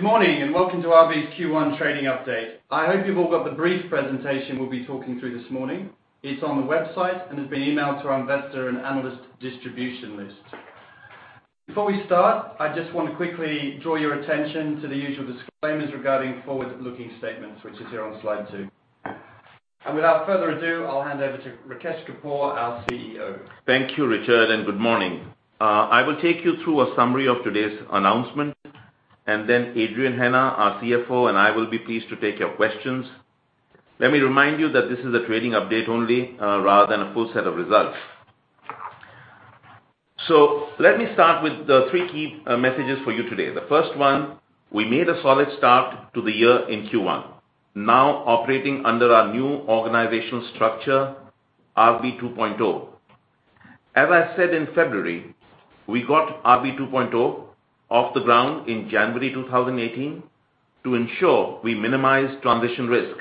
Good morning, welcome to RB's Q1 trading update. I hope you've all got the brief presentation we'll be talking through this morning. It's on the website and has been emailed to our investor and analyst distribution list. Before we start, I just want to quickly draw your attention to the usual disclaimers regarding forward-looking statements, which is there on slide two. Without further ado, I'll hand over to Rakesh Kapoor, our CEO. Thank you, Richard, and good morning. I will take you through a summary of today's announcement. Then Adrian Hennah, our CFO, and I will be pleased to take your questions. Let me remind you that this is a trading update only rather than a full set of results. Let me start with the three key messages for you today. The first one, we made a solid start to the year in Q1, now operating under our new organizational structure, RB 2.0. As I said in February, we got RB 2.0 off the ground in January 2018 to ensure we minimize transition risk.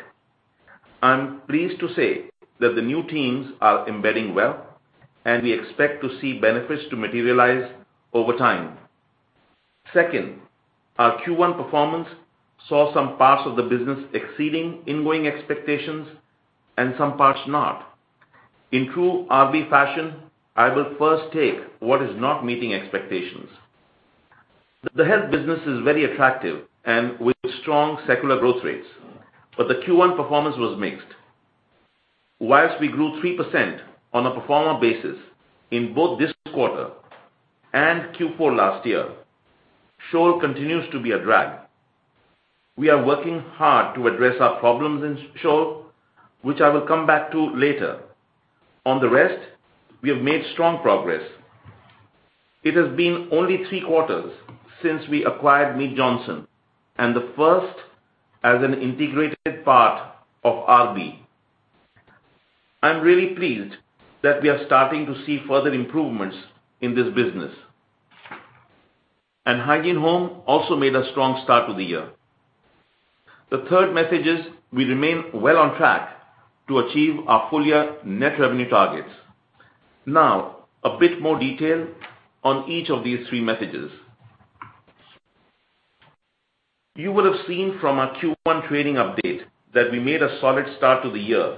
I'm pleased to say that the new teams are embedding well, and we expect to see benefits to materialize over time. Second, our Q1 performance saw some parts of the business exceeding ongoing expectations and some parts not. In true RB fashion, I will first take what is not meeting expectations. The health business is very attractive and with strong secular growth rates, but the Q1 performance was mixed. Whilst we grew 3% on a pro forma basis in both this quarter and Q4 last year, Scholl continues to be a drag. We are working hard to address our problems in Scholl, which I will come back to later. On the rest, we have made strong progress. It has been only three quarters since we acquired Mead Johnson and the first as an integrated part of RB. I'm really pleased that we are starting to see further improvements in this business. Hygiene Home also made a strong start to the year. The third message is we remain well on track to achieve our full-year net revenue targets. A bit more detail on each of these three messages. You would have seen from our Q1 trading update that we made a solid start to the year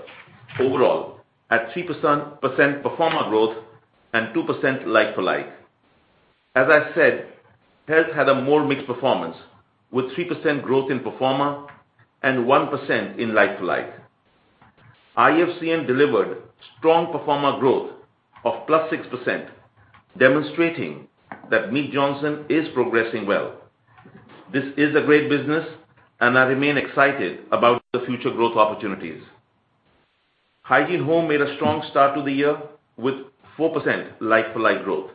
overall at 3% pro forma growth and 2% like-for-like. As I said, Health had a more mixed performance with 3% growth in pro forma and 1% in like-for-like. IFCN delivered strong pro forma growth of +6%, demonstrating that Mead Johnson is progressing well. This is a great business, and I remain excited about the future growth opportunities. Hygiene Home made a strong start to the year with 4% like-for-like growth.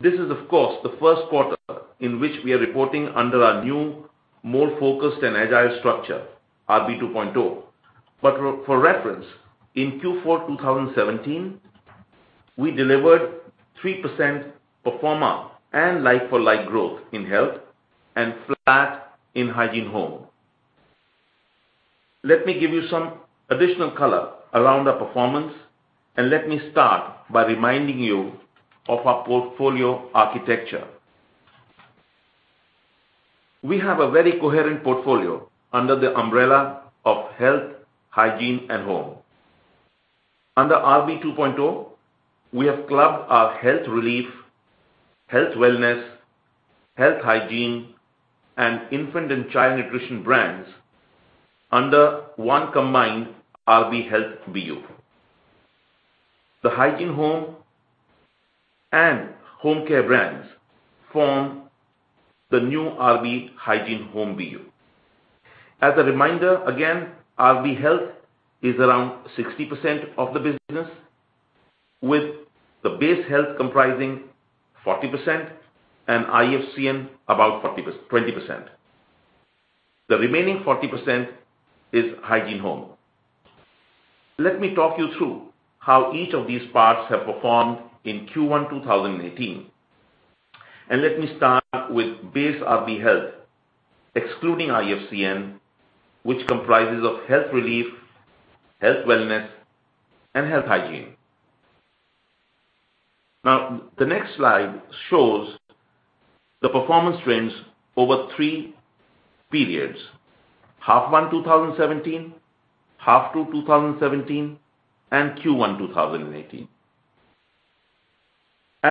This is, of course, the first quarter in which we are reporting under our new, more focused and agile structure, RB 2.0. For reference, in Q4 2017, we delivered 3% pro forma and like-for-like growth in Health and flat in Hygiene Home. Let me give you some additional color around our performance. Let me start by reminding you of our portfolio architecture. We have a very coherent portfolio under the umbrella of health, hygiene, and home. Under RB 2.0, we have clubbed our health relief, health wellness, health hygiene, and infant and child nutrition brands under one combined RB Health BU. The Hygiene Home and Home Care brands form the new RB Hygiene Home BU. As a reminder, again, RB Health is around 60% of the business, with the base health comprising 40% and IFCN about 20%. The remaining 40% is Hygiene Home. Let me talk you through how each of these parts have performed in Q1 2018. Let me start with base RB Health, excluding IFCN, which comprises of health relief, health wellness, and health hygiene. The next slide shows the performance trends over three periods: half 1 2017, half 2 2017, and Q1 2018.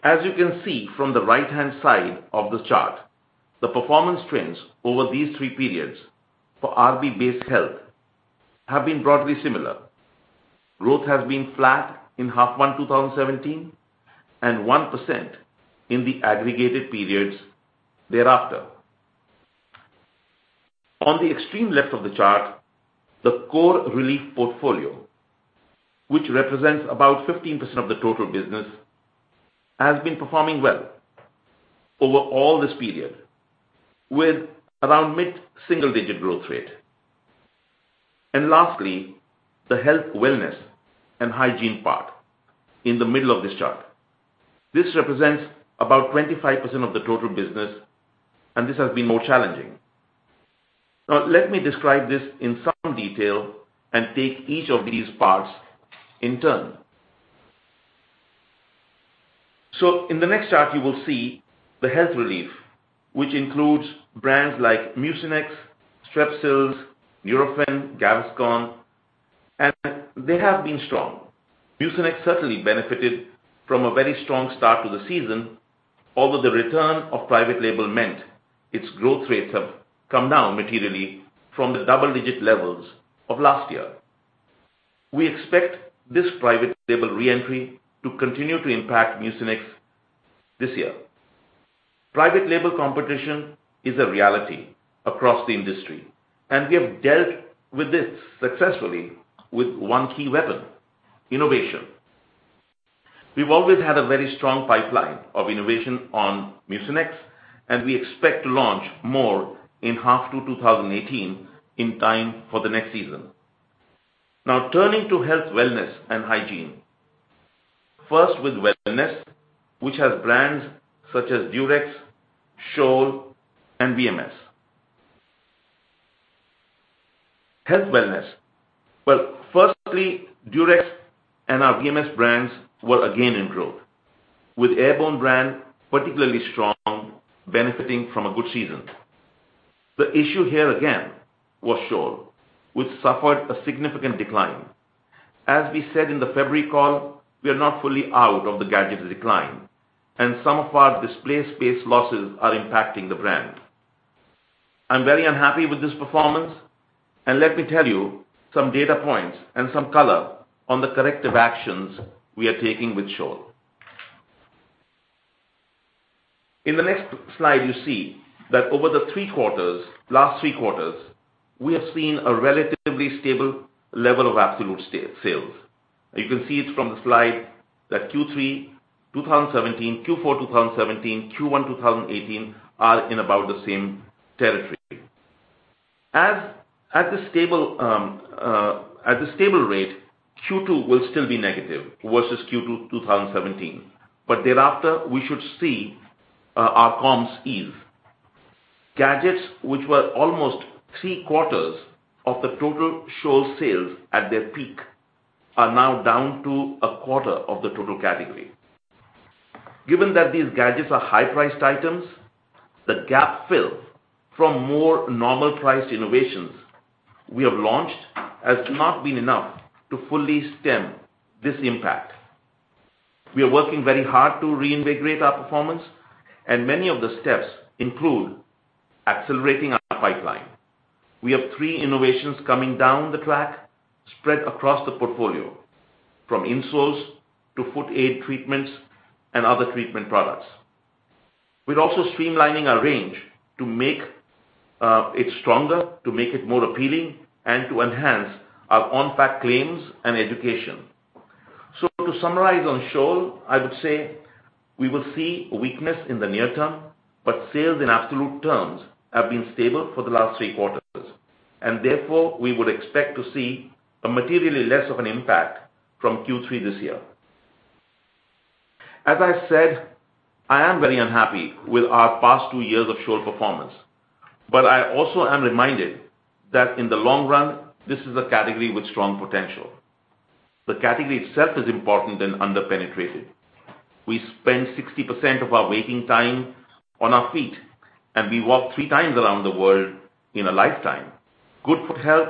As you can see from the right-hand side of the chart, the performance trends over these three periods for RB base health have been broadly similar. Growth has been flat in half 1 2017 and 1% in the aggregated periods thereafter. On the extreme left of the chart, the core relief portfolio, which represents about 15% of the total business, has been performing well over all this period, with around mid-single-digit growth rate. Lastly, the health, wellness, and hygiene part in the middle of this chart. This represents about 25% of the total business, and this has been more challenging. Let me describe this in some detail and take each of these parts in turn. In the next chart, you will see the health relief, which includes brands like Mucinex, Strepsils, Nurofen, Gaviscon, and they have been strong. Mucinex certainly benefited from a very strong start to the season, although the return of private label meant its growth rates have come down materially from the double-digit levels of last year. We expect this private label re-entry to continue to impact Mucinex this year. Private label competition is a reality across the industry, and we have dealt with this successfully with one key weapon, innovation. We've always had a very strong pipeline of innovation on Mucinex, and we expect to launch more in half 2 2018 in time for the next season. Turning to health wellness and hygiene. First with wellness, which has brands such as Durex, Scholl, and VMS. Health wellness. Firstly, Durex and our VMS brands were again in growth, with Airborne brand particularly strong benefiting from a good season. The issue here again was Scholl, which suffered a significant decline. As we said in the February call, we are not fully out of the gadget decline, and some of our display space losses are impacting the brand. I'm very unhappy with this performance, and let me tell you some data points and some color on the corrective actions we are taking with Scholl. In the next slide, you see that over the last three quarters, we have seen a relatively stable level of absolute sales. You can see it from the slide that Q3 2017, Q4 2017, Q1 2018 are in about the same territory. At the stable rate, Q2 will still be negative versus Q2 2017, but thereafter, we should see our comps ease. Gadgets, which were almost three-quarters of the total Scholl sales at their peak, are now down to a quarter of the total category. Given that these gadgets are high-priced items, the gap fill from more normal priced innovations we have launched has not been enough to fully stem this impact. We are working very hard to reinvigorate our performance. Many of the steps include accelerating our pipeline. We have three innovations coming down the track, spread across the portfolio, from insoles to foot aid treatments and other treatment products. We are also streamlining our range to make it stronger, to make it more appealing, and to enhance our on-pack claims and education. To summarize on Scholl, I would say we will see weakness in the near term, but sales in absolute terms have been stable for the last three quarters. Therefore, we would expect to see a materially less of an impact from Q3 this year. As I said, I am very unhappy with our past two years of Scholl performance. I also am reminded that in the long run, this is a category with strong potential. The category itself is important and under-penetrated. We spend 60% of our waking time on our feet, and we walk three times around the world in a lifetime. Good foot health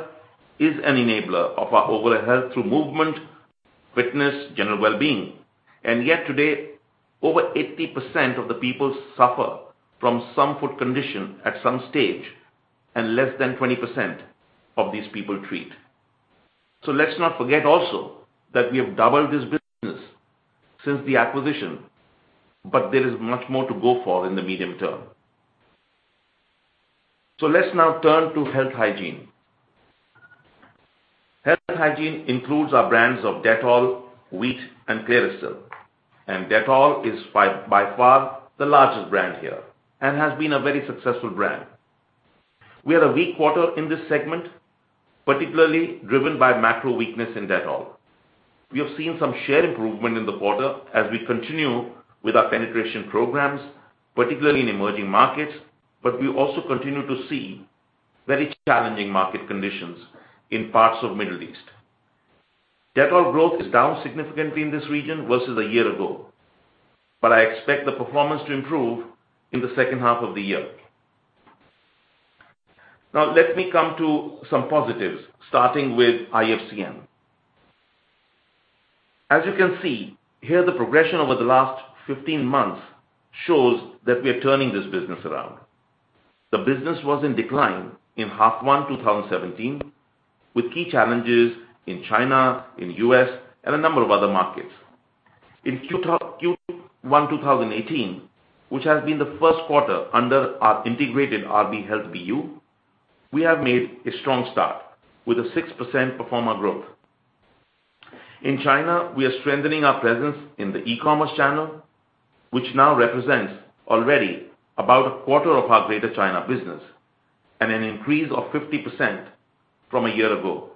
is an enabler of our overall health through movement, fitness, general well-being. Yet today, over 80% of the people suffer from some foot condition at some stage, and less than 20% of these people treat. Let's not forget also that we have doubled this business since the acquisition, but there is much more to go for in the medium term. Let's now turn to health hygiene. Health hygiene includes our brands of Dettol, Veet, and Clearasil. Dettol is by far the largest brand here and has been a very successful brand. We had a weak quarter in this segment, particularly driven by macro weakness in Dettol. We have seen some share improvement in the quarter as we continue with our penetration programs, particularly in emerging markets, but we also continue to see very challenging market conditions in parts of Middle East. Dettol growth is down significantly in this region versus a year ago, but I expect the performance to improve in the second half of the year. Now let me come to some positives, starting with IFCN. As you can see here, the progression over the last 15 months shows that we are turning this business around. The business was in decline in half one 2017 with key challenges in China, in U.S., and a number of other markets. In Q1 2018, which has been the first quarter under our integrated RB Health BU, we have made a strong start with a 6% pro forma growth. In China, we are strengthening our presence in the e-commerce channel, which now represents already about a quarter of our Greater China business. An increase of 50% from a year ago.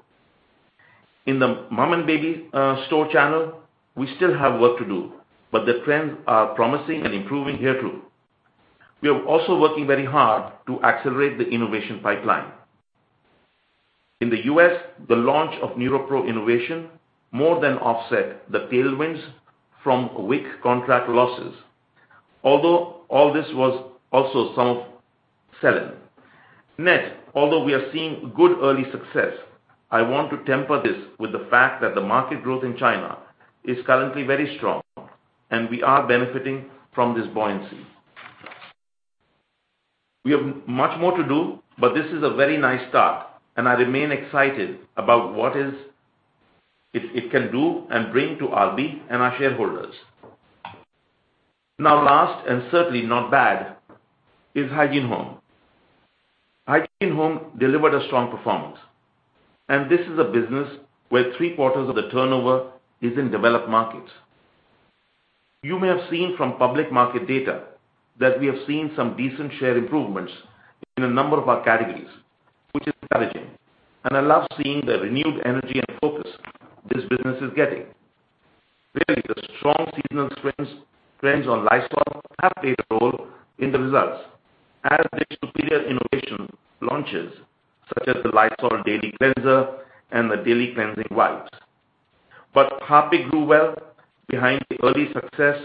In the mom and baby store channel, we still have work to do, but the trends are promising and improving here too. We are also working very hard to accelerate the innovation pipeline. In the U.S., the launch of NeuroPro innovation more than offset the tailwinds from weak contract losses. Although all this was also some of sell-in. Net, although we are seeing good early success, I want to temper this with the fact that the market growth in China is currently very strong, and we are benefiting from this buoyancy. We have much more to do, but this is a very nice start, and I remain excited about what it can do and bring to RB and our shareholders. Last, and certainly not bad, is Hygiene Home. Hygiene Home delivered a strong performance, and this is a business where three quarters of the turnover is in developed markets. You may have seen from public market data that we have seen some decent share improvements in a number of our categories, which is encouraging, and I love seeing the renewed energy and focus this business is getting. Clearly, the strong seasonal trends on Lysol have played a role in the results as did superior innovation launches, such as the Lysol Daily Cleanser and the daily cleansing wipes. Harpic grew well behind the early success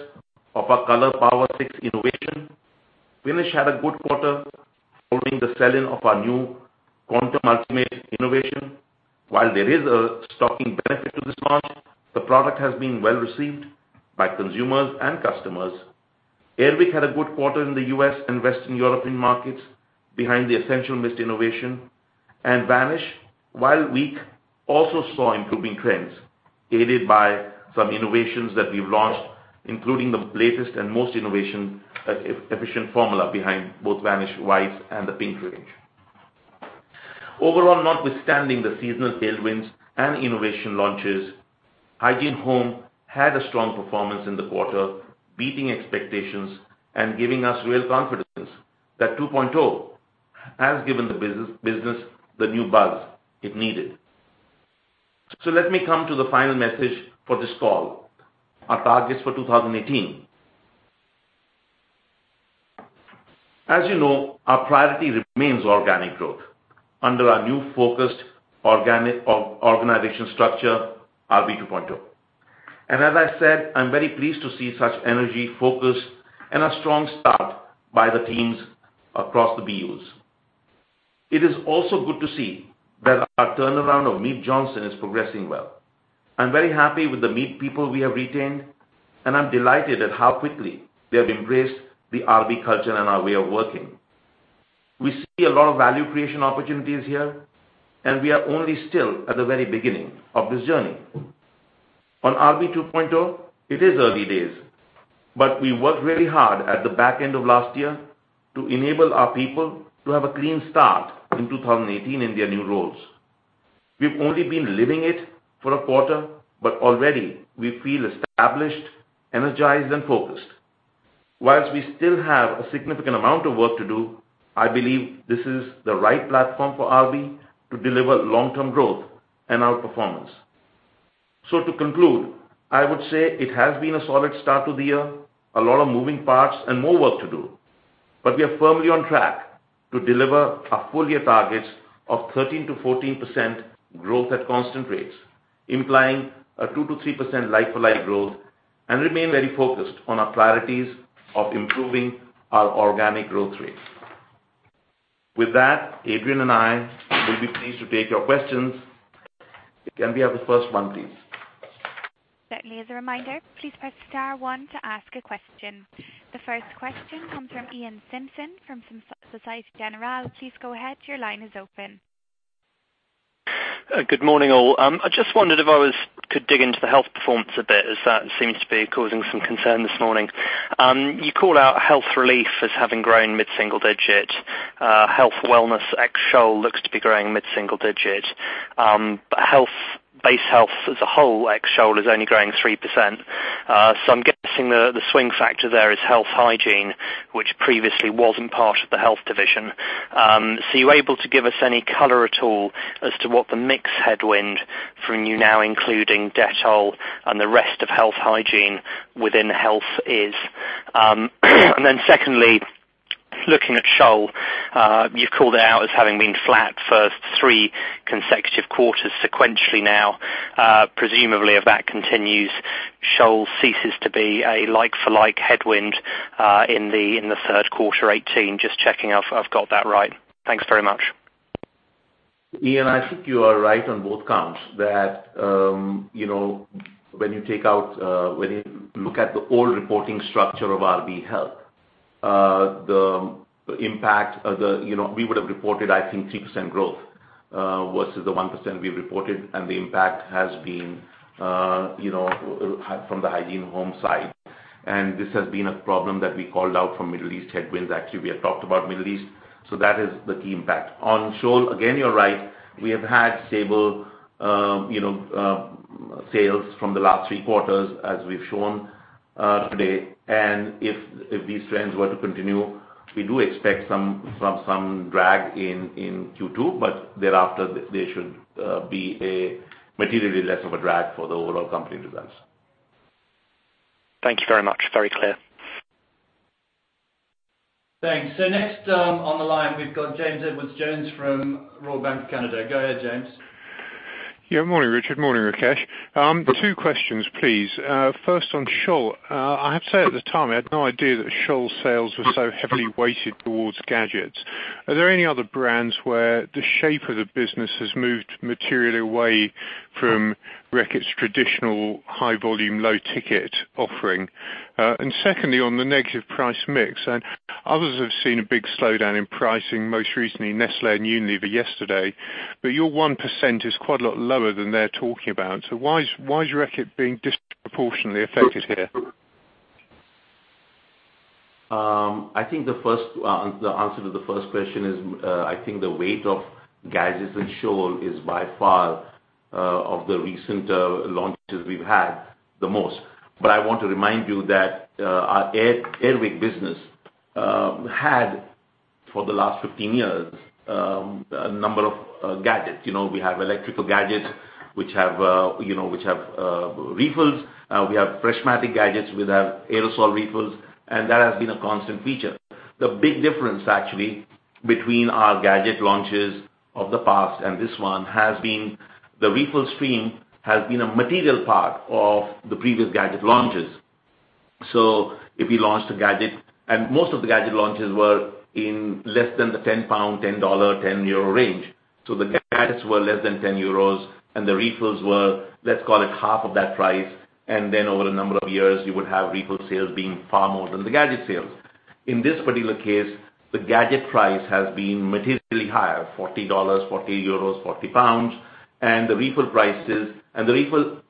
of our Color Power Six innovation. Finish had a good quarter following the sell-in of our new Quantum Ultimate innovation. While there is a stocking benefit to this launch, the product has been well received by consumers and customers. Air Wick had a good quarter in the U.S. and Western European markets behind the Essential Mist innovation. Vanish, while weak, also saw improving trends, aided by some innovations that we've launched, including the latest and most innovation efficient formula behind both Vanish wipes and the Pink Range. Overall, notwithstanding the seasonal tailwinds and innovation launches, Hygiene Home had a strong performance in the quarter, beating expectations and giving us real confidence that RB 2.0 has given the business the new buzz it needed. Let me come to the final message for this call, our targets for 2018. As you know, our priority remains organic growth under our new focused organization structure, RB 2.0. As I said, I'm very pleased to see such energy focus and a strong start by the teams across the BUs. It is also good to see that our turnaround of Mead Johnson is progressing well. I'm very happy with the Mead people we have retained, and I'm delighted at how quickly they have embraced the RB culture and our way of working. We see a lot of value creation opportunities here, and we are only still at the very beginning of this journey. On RB 2.0, it is early days, but we worked very hard at the back end of last year to enable our people to have a clean start in 2018 in their new roles. We've only been living it for a quarter, but already we feel established, energized, and focused. Whilst we still have a significant amount of work to do, I believe this is the right platform for RB to deliver long-term growth and outperformance. To conclude, I would say it has been a solid start to the year, a lot of moving parts and more work to do. We are firmly on track to deliver our full-year targets of 13%-14% growth at constant rates, implying a 2%-3% like-for-like growth and remain very focused on our priorities of improving our organic growth rates. With that, Adrian and I will be pleased to take your questions. Can we have the first one, please? Certainly. As a reminder, please press star one to ask a question. The first question comes from Iain Simpson from Societe Generale. Please go ahead. Your line is open. Good morning, all. I just wondered if I could dig into the health performance a bit as that seems to be causing some concern this morning. You called out health relief as having grown mid-single digit. Health wellness ex Scholl looks to be growing mid-single digit. Base health as a whole ex Scholl is only growing 3%. I'm guessing the swing factor there is health hygiene, which previously wasn't part of the health division. Are you able to give us any color at all as to what the mix headwind from you now including Dettol and the rest of health hygiene within health is? Secondly, looking at Scholl, you've called it out as having been flat first three consecutive quarters sequentially now. Presumably if that continues, Scholl ceases to be a like-for-like headwind in the third quarter 2018. Just checking if I've got that right. Thanks very much. Iain, I think you are right on both counts that when you look at the old reporting structure of RB Health, the impact, we would have reported, I think 3% growth, versus the 1% we reported, and the impact has been from the Hygiene Home side. This has been a problem that we called out from Middle East headwinds. We have talked about Middle East, so that is the key impact. On Scholl, again, you're right. We have had stable sales from the last three quarters as we've shown today. If these trends were to continue, we do expect some drag in Q2, but thereafter, there should be a materially less of a drag for the overall company results. Thank you very much. Very clear. Thanks. Next on the line, we've got James Edwardes Jones from Royal Bank of Canada. Go ahead, James. Morning, Richard. Morning, Rakesh. Two questions, please. First on Scholl. I have to say, at the time, I had no idea that Scholl's sales were so heavily weighted towards gadgets. Are there any other brands where the shape of the business has moved materially away from Reckitt's traditional high volume, low ticket offering? Secondly, on the negative price mix, and others have seen a big slowdown in pricing, most recently Nestlé and Unilever yesterday, but your 1% is quite a lot lower than they're talking about. Why is Reckitt being disproportionately affected here? I think the answer to the first question is, I think the weight of gadgets in Scholl is by far, of the recent launches we've had, the most. I want to remind you that our Air Wick business had, for the last 15 years, a number of gadgets. We have electrical gadgets which have refills. We have reshmatic gadgets which have aerosol refills, and that has been a constant feature. The big difference, actually, between our gadget launches of the past and this one has been the refill stream has been a material part of the previous gadget launches. If we launched a gadget, and most of the gadget launches were in less than the 10 pound, $10, 10 euro range. The gadgets were less than 10 euros, and the refills were, let's call it, half of that price. Over a number of years, you would have refill sales being far more than the gadget sales. In this particular case, the gadget price has been materially higher, $40, 40 euros, 40 pounds. The refill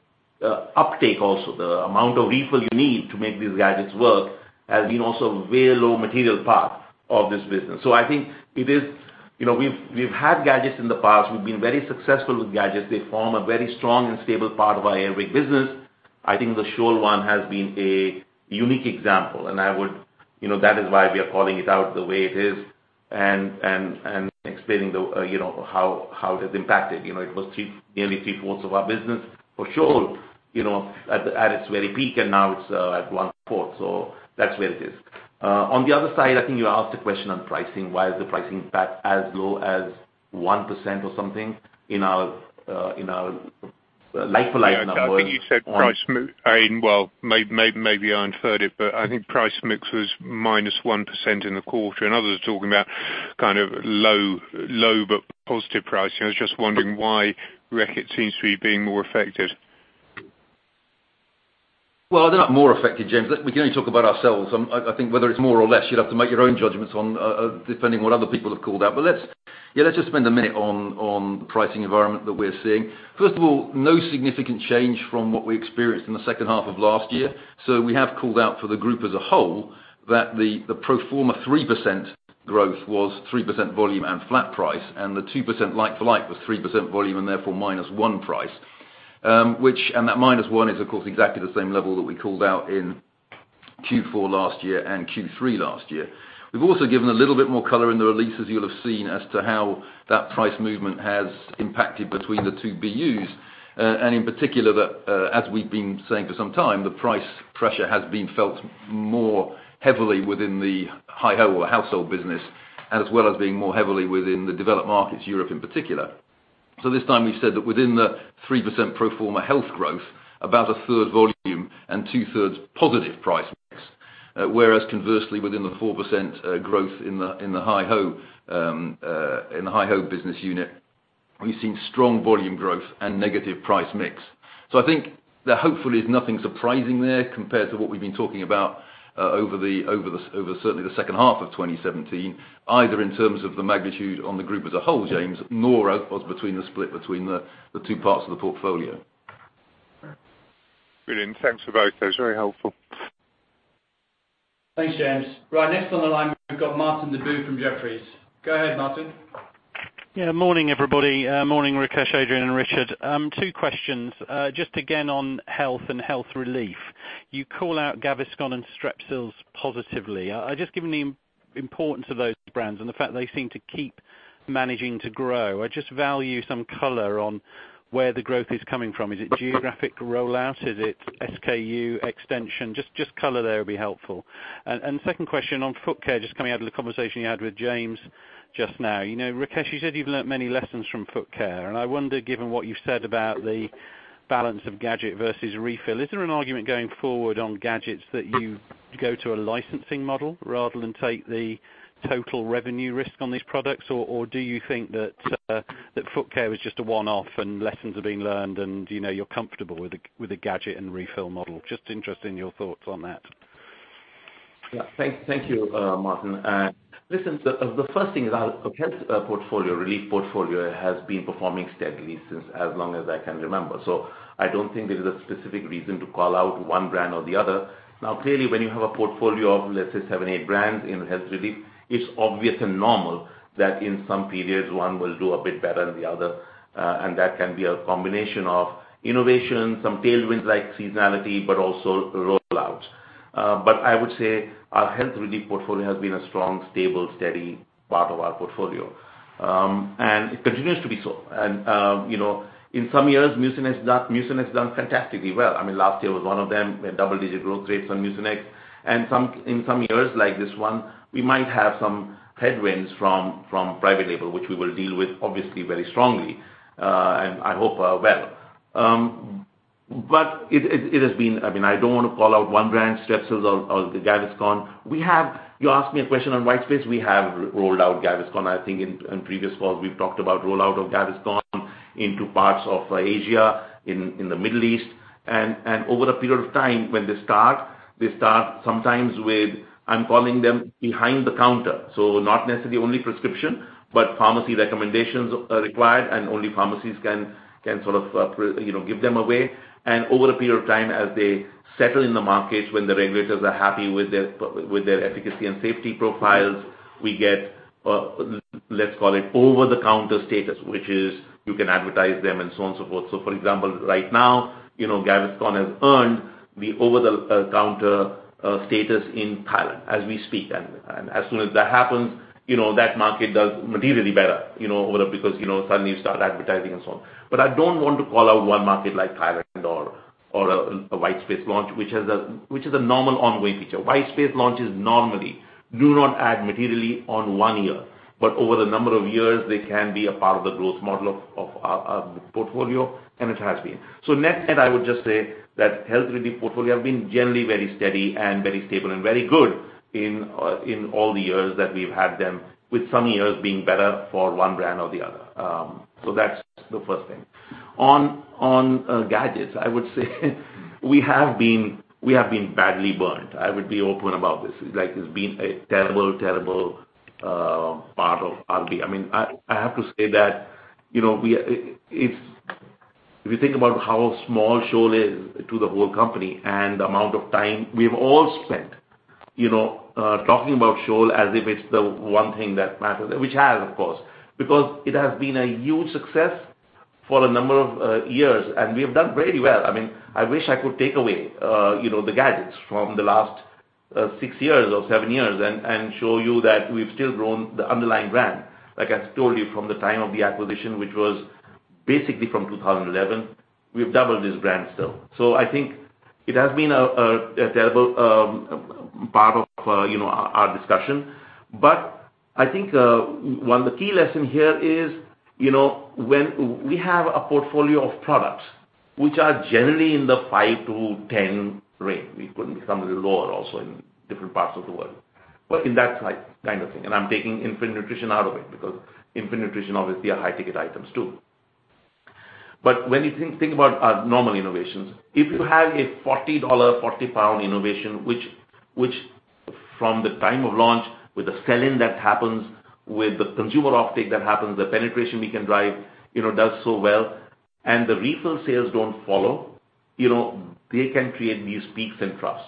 uptake also, the amount of refill you need to make these gadgets work, has been also a very low material part of this business. I think we've had gadgets in the past. We've been very successful with gadgets. They form a very strong and stable part of our Air Wick business. I think the Scholl one has been a unique example, and that is why we are calling it out the way it is and explaining how it has impacted. It was nearly three-fourths of our business for Scholl at its very peak, and now it's at one-fourth, that's where it is. On the other side, I think you asked a question on pricing. Why is the pricing impact as low as 1% or something in our like-for-like numbers? I think you said price mix was minus 1% in the quarter, and others are talking about low but positive pricing. I was just wondering why Reckitt seems to be being more affected. Well, they're not more affected, James. We can only talk about ourselves. I think whether it's more or less, you'd have to make your own judgments on, depending what other people have called out. Let's just spend a minute on the pricing environment that we're seeing. First of all, no significant change from what we experienced in the second half of last year. We have called out for the group as a whole that the pro forma 3% growth was 3% volume and flat price, and the 2% like-for-like was 3% volume, and therefore minus 1 price. That minus 1 is, of course, exactly the same level that we called out in Q4 last year and Q3 last year. We've also given a little bit more color in the release, as you'll have seen, as to how that price movement has impacted between the two BUs. In particular, as we've been saying for some time, the price pressure has been felt more heavily within the Hygiene Home business, as well as being more heavily within the developed markets, Europe in particular. This time we said that within the 3% pro forma health growth, about a third volume and two-thirds positive price mix. Whereas conversely, within the 4% growth in the Hygiene Home business unit, we've seen strong volume growth and negative price mix. I think there hopefully is nothing surprising there compared to what we've been talking about over certainly the second half of 2017, either in terms of the magnitude on the group as a whole, James, nor us between the split between the two parts of the portfolio. Brilliant. Thanks for both those. Very helpful. Thanks, James. Right, next on the line, we've got Martin Deboo from Jefferies. Go ahead, Martin. Yeah. Morning, everybody. Morning, Rakesh, Adrian, and Richard. Two questions. Just again on health and health relief. You call out Gaviscon and Strepsils positively. Just given the importance of those brands and the fact they seem to keep managing to grow, I just value some color on where the growth is coming from. Is it geographic rollout? Is it SKU extension? Just color there would be helpful. Second question on foot care, just coming out of the conversation you had with James just now. Rakesh, you said you've learned many lessons from foot care, and I wonder, given what you've said about the balance of gadget versus refill, is there an argument going forward on gadgets that you go to a licensing model rather than take the total revenue risk on these products? Do you think that foot care was just a one-off and lessons are being learned and you're comfortable with the gadget and refill model? Just interested in your thoughts on that. Yeah. Thank you, Martin. Listen, the first thing is our health relief portfolio has been performing steadily since as long as I can remember. I don't think there is a specific reason to call out one brand or the other. Now, clearly, when you have a portfolio of, let's say seven, eight brands in health relief, it's obvious and normal that in some periods, one will do a bit better than the other, and that can be a combination of innovation, some tailwinds like seasonality, but also rollout. I would say our health relief portfolio has been a strong, stable, steady part of our portfolio. It continues to be so. In some years, Mucinex has done fantastically well. Last year was one of them, with double-digit growth rates on Mucinex. In some years, like this one, we might have some headwinds from private label, which we will deal with obviously very strongly, and I hope well. It has been I don't want to call out one brand, Strepsils or Gaviscon. You asked me a question on whitespace. We have rolled out Gaviscon. I think in previous calls, we've talked about rollout of Gaviscon into parts of Asia, in the Middle East. Over a period of time, when they start, they start sometimes with, I'm calling them behind the counter, so not necessarily only prescription, but pharmacy recommendations are required, and only pharmacies can give them away. Over a period of time, as they settle in the markets, when the regulators are happy with their efficacy and safety profiles, we get, let's call it over-the-counter status, which is you can advertise them and so on and so forth. For example, right now, Gaviscon has earned the over-the-counter status in Thailand as we speak. As soon as that happens, that market does materially better, because suddenly you start advertising and so on. I don't want to call out one market like Thailand or a whitespace launch, which is a normal ongoing feature. Whitespace launches normally do not add materially on one year. Over the number of years, they can be a part of the growth model of our portfolio, and it has been. Net, I would just say that health relief portfolio have been generally very steady and very stable and very good in all the years that we've had them, with some years being better for one brand or the other. That's the first thing. On gadgets, I would say we have been badly burnt. I would be open about this. It's been a terrible part of RB. I have to say that, if you think about how small Scholl is to the whole company and the amount of time we've all spent talking about Scholl as if it's the one thing that matters, which it has, of course. It has been a huge success for a number of years, and we have done very well. I wish I could take away the gadgets from the last six years or seven years and show you that we've still grown the underlying brand. Like I told you from the time of the acquisition, which was basically from 2011, we've doubled this brand still. I think it has been a terrible part of our discussion. I think one of the key lessons here is when we have a portfolio of products which are generally in the 5 to 10 range, we could become a little lower also in different parts of the world. Well, in that kind of thing. I'm taking infant nutrition out of it because infant nutrition obviously are high-ticket items, too. When you think about our normal innovations, if you have a GBP 40, 40-pound innovation, which from the time of launch with the sell-in that happens, with the consumer uptake that happens, the penetration we can drive does so well, and the refill sales don't follow, they can create these peaks and troughs.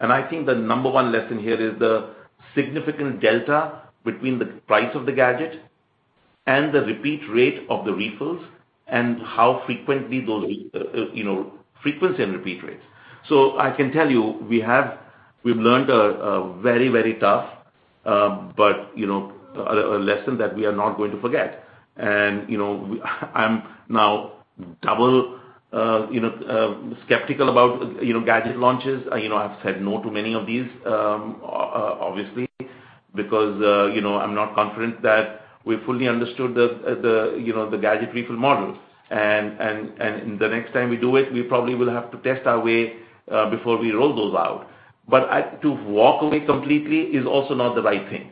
I think the number one lesson here is the significant delta between the price of the gadget and the repeat rate of the refills and how frequently those frequency and repeat rates. I can tell you, we've learned a very, very tough lesson that we are not going to forget. I'm now double skeptical about gadget launches. I've said no to many of these, obviously, because I'm not confident that we fully understood the gadget refill model. The next time we do it, we probably will have to test our way before we roll those out. To walk away completely is also not the right thing.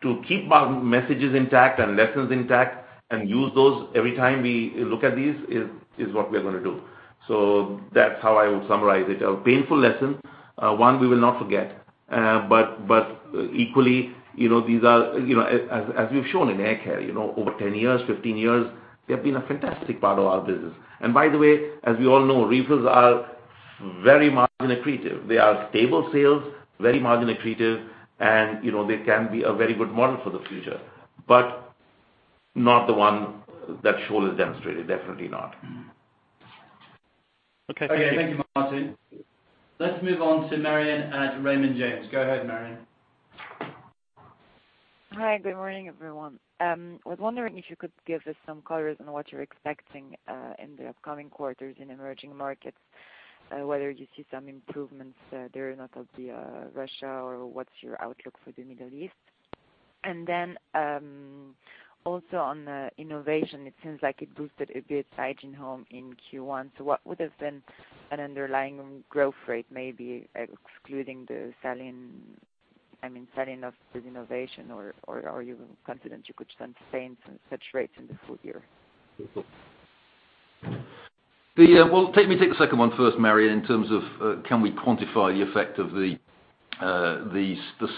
To keep our messages intact and lessons intact and use those every time we look at these is what we are going to do. That's how I would summarize it. A painful lesson, one we will not forget. Equally, as we've shown in air care, over 10 years, 15 years, they've been a fantastic part of our business. By the way, as we all know, refills are very margin accretive. They are stable sales, very margin accretive, and they can be a very good model for the future, but not the one that Scholl has demonstrated. Definitely not. Okay. Thank you. Okay. Thank you, Martin. Let's move on to Marion at Raymond James. Go ahead, Marion. Hi. Good morning, everyone. I was wondering if you could give us some colors on what you're expecting in the upcoming quarters in emerging markets, whether you see some improvements there or not of the Russia, or what's your outlook for the Middle East? Then also on innovation, it seems like it boosted a bit Hygiene Home in Q1. What would have been an underlying growth rate, maybe excluding the sell-in of the innovation, or are you confident you could then sustain such rates in the full year? Well, let me take the second one first, Marion, in terms of can we quantify the effect of the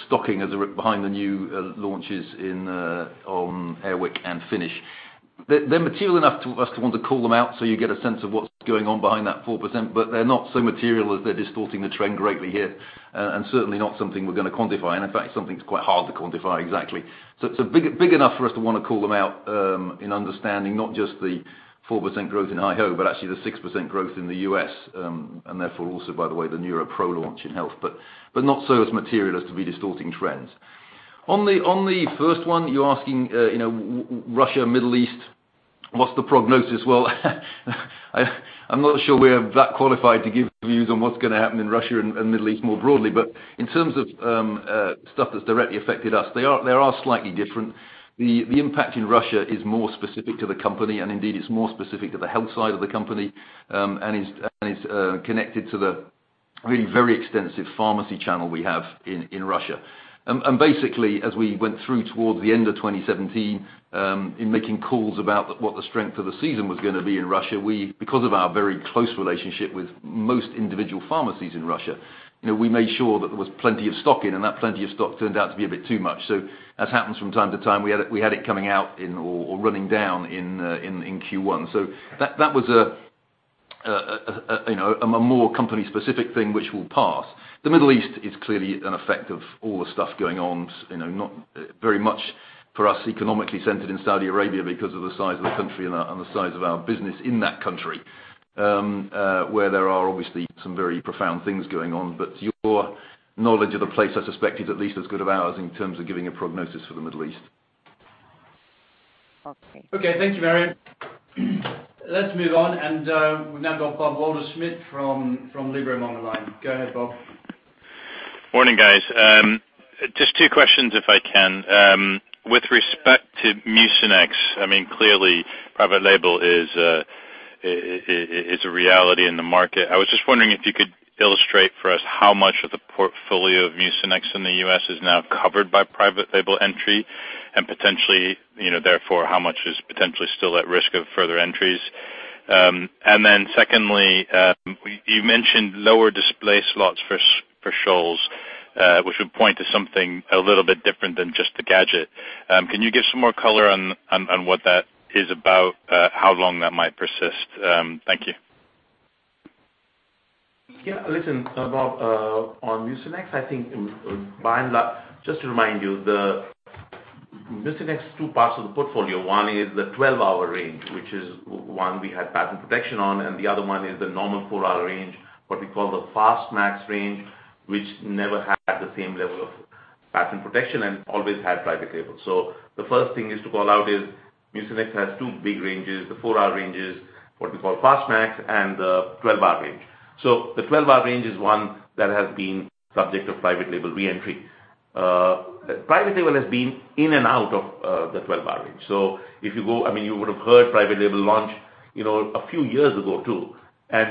stocking behind the new launches on Air Wick and Finish. They're material enough to us to want to call them out, so you get a sense of what's going on behind that 4%, but they're not so material that they're distorting the trend greatly here, certainly not something we're going to quantify. In fact, something that's quite hard to quantify exactly. Big enough for us to want to call them out in understanding not just the 4% growth in Hygiene Home, but actually the 6% growth in the U.S., and therefore also, by the way, the NeuroPro launch in health, but not so as material as to be distorting trends. On the first one, you're asking Russia, Middle East, what's the prognosis? Well, I'm not sure we're that qualified to give views on what's going to happen in Russia and Middle East more broadly. In terms of stuff that's directly affected us, they are slightly different. The impact in Russia is more specific to the company, indeed, it's more specific to the health side of the company, and is connected to the really very extensive pharmacy channel we have in Russia. Basically, as we went through towards the end of 2017, in making calls about what the strength of the season was going to be in Russia, because of our very close relationship with most individual pharmacies in Russia, we made sure that there was plenty of stock in, and that plenty of stock turned out to be a bit too much. As happens from time to time, we had it coming out or running down in Q1. That was a more company-specific thing, which will pass. The Middle East is clearly an effect of all the stuff going on, not very much for us economically centered in Saudi Arabia because of the size of the country and the size of our business in that country, where there are obviously some very profound things going on. Your knowledge of the place I suspect is at least as good of ours in terms of giving a prognosis for the Middle East. Okay. Okay. Thank you, Marion. Let's move on, we've now got Robert Wolderschmidt from Liberum on the line. Go ahead, Bob. Morning, guys. Just two questions if I can. With respect to Mucinex, clearly private label is a reality in the market. I was just wondering if you could illustrate for us how much of the portfolio of Mucinex in the U.S. is now covered by private label entry, and potentially therefore, how much is potentially still at risk of further entries. Secondly, you mentioned lower display slots for Scholl, which would point to something a little bit different than just the gadget. Can you give some more color on what that is about, how long that might persist? Thank you. Yeah. Listen, Bob, on Mucinex, just to remind you, Mucinex is two parts of the portfolio. One is the 12-hour range, which is one we had patent protection on, and the other one is the normal four-hour range, what we call the Mucinex Fast-Max range, which never had the same level of patent protection and always had private label. The first thing is to call out is Mucinex has two big ranges, the four-hour ranges, what we call Mucinex Fast-Max, and the 12-hour range. The 12-hour range is one that has been subject of private label re-entry. Private label has been in and out of the 12-hour range. You would have heard private label launch a few years ago, too.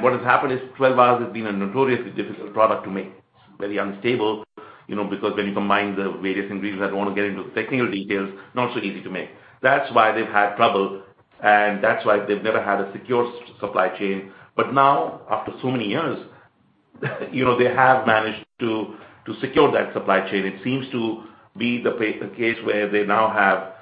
What has happened is 12 hours has been a notoriously difficult product to make. It's very unstable, because when you combine the various ingredients, I don't want to get into technical details, not so easy to make. That's why they've had trouble, and that's why they've never had a secure supply chain. Now, after so many years, they have managed to secure that supply chain. It seems to be the case where they now have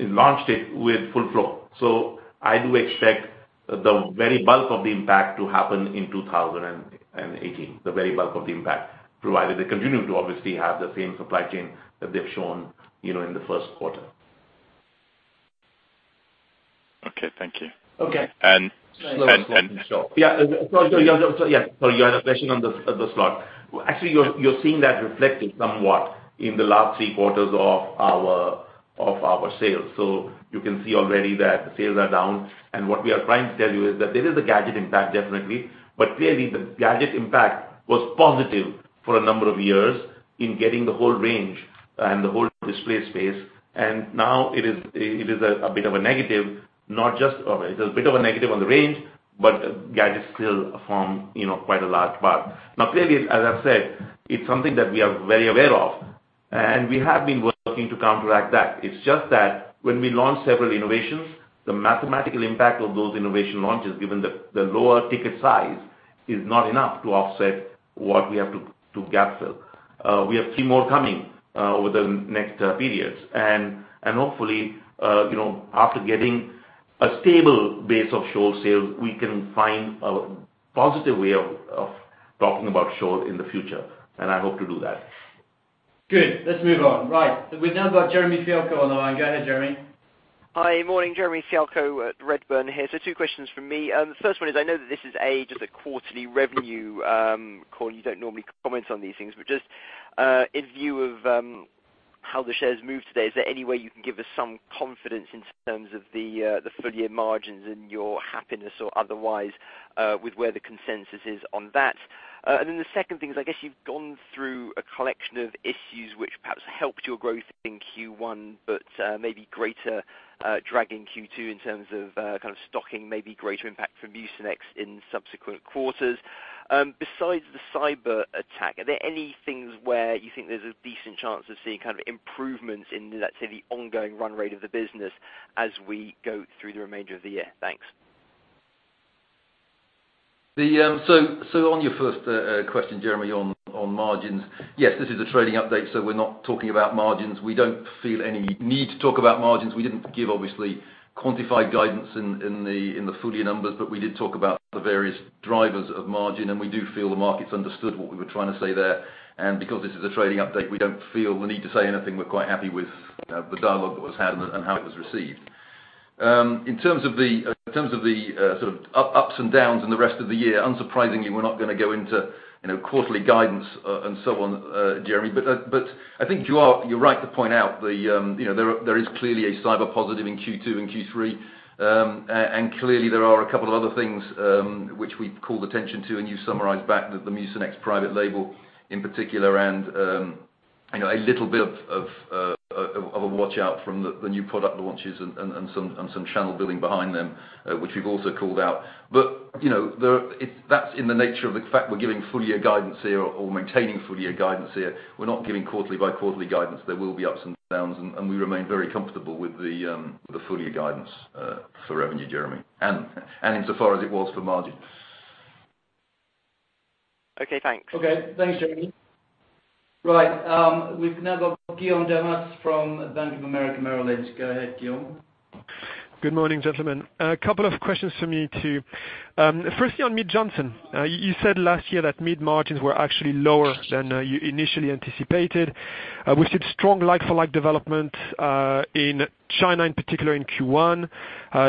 launched it with full flow. I do expect the very bulk of the impact to happen in 2018, the very bulk of the impact, provided they continue to obviously have the same supply chain that they've shown in the first quarter. Okay, thank you. Okay. And- [Slow and Scholl]. Yeah. Sorry, you had a question on the Scholl. Actually, you're seeing that reflected somewhat in the last three quarters of our sales. You can see already that the sales are down, what we are trying to tell you is that there is a gadget impact, definitely, clearly, the gadget impact was positive for a number of years in getting the whole range and the whole display space, now it is a bit of a negative, it's a bit of a negative on the range, but gadgets still form quite a large part. Clearly, as I've said, it's something that we are very aware of, and we have been working to counteract that. It's just that when we launch several innovations, the mathematical impact of those innovation launches, given the lower ticket size, is not enough to offset what we have to gap fill. We have three more coming over the next periods. Hopefully, after getting a stable base of Scholl sales, we can find a positive way of talking about Scholl in the future. I hope to do that. Good. Let's move on. Right. We've now got Jeremy Fialko on the line. Go ahead, Jeremy. Hi. Morning. Jeremy Fialko at Redburn here. Two questions from me. The first one is, I know that this is a just a quarterly revenue call, you don't normally comment on these things, but just in view of how the share has moved today, is there any way you can give us some confidence in terms of the full year margins and your happiness or otherwise with where the consensus is on that? The second thing is, I guess you've gone through a collection of issues which perhaps helped your growth in Q1, but maybe greater drag in Q2 in terms of kind of stocking, maybe greater impact from Mucinex in subsequent quarters. Besides the cyberattack, are there any things where you think there's a decent chance of seeing kind of improvements in, let's say, the ongoing run rate of the business as we go through the remainder of the year? Thanks. On your first question, Jeremy, on margins. Yes, this is a trading update. We're not talking about margins. We don't feel any need to talk about margins. We didn't give, obviously, quantified guidance in the full year numbers. We did talk about the various drivers of margin, and we do feel the market's understood what we were trying to say there. Because this is a trading update, we don't feel the need to say anything. We're quite happy with the dialogue that was had and how it was received. In terms of the ups and downs in the rest of the year, unsurprisingly, we're not going to go into quarterly guidance and so on, Jeremy. I think you're right to point out there is clearly a cyber positive in Q2 and Q3. Clearly, there are a couple of other things which we've called attention to, and you summarized back the Mucinex private label in particular, and a little bit of a watch-out from the new product launches and some channel building behind them which we've also called out. That's in the nature of the fact we're giving full year guidance here or maintaining full year guidance here. We're not giving quarterly by quarterly guidance. There will be ups and downs. We remain very comfortable with the full year guidance for revenue, Jeremy, and insofar as it was for margin. Okay, thanks. Okay. Thanks, Jeremy. Right. We've now got Guillaume Delmas from Bank of America Merrill Lynch. Go ahead, Guillaume. Good morning, gentlemen. A couple of questions from me, too. Firstly, on Mead Johnson. You said last year that Mead margins were actually lower than you initially anticipated. We see strong like-for-like development in China, in particular in Q1,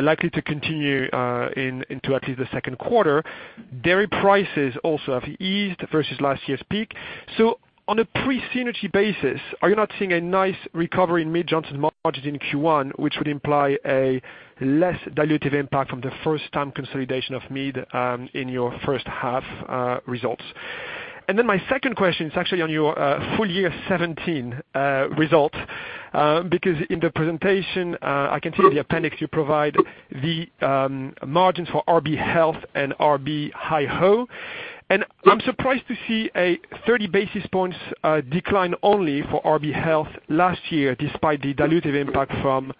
likely to continue into at least the second quarter. Dairy prices also have eased versus last year's peak. On a pre-synergy basis, are you not seeing a nice recovery in Mead Johnson margins in Q1, which would imply a less dilutive impact from the first-time consolidation of Mead in your first half results? My second question is actually on your full year 2017 results, because in the presentation, I can see in the appendix you provide the margins for RB Health and RB Hi Ho. I'm surprised to see a 30 basis points decline only for RB Health last year, despite the dilutive impact from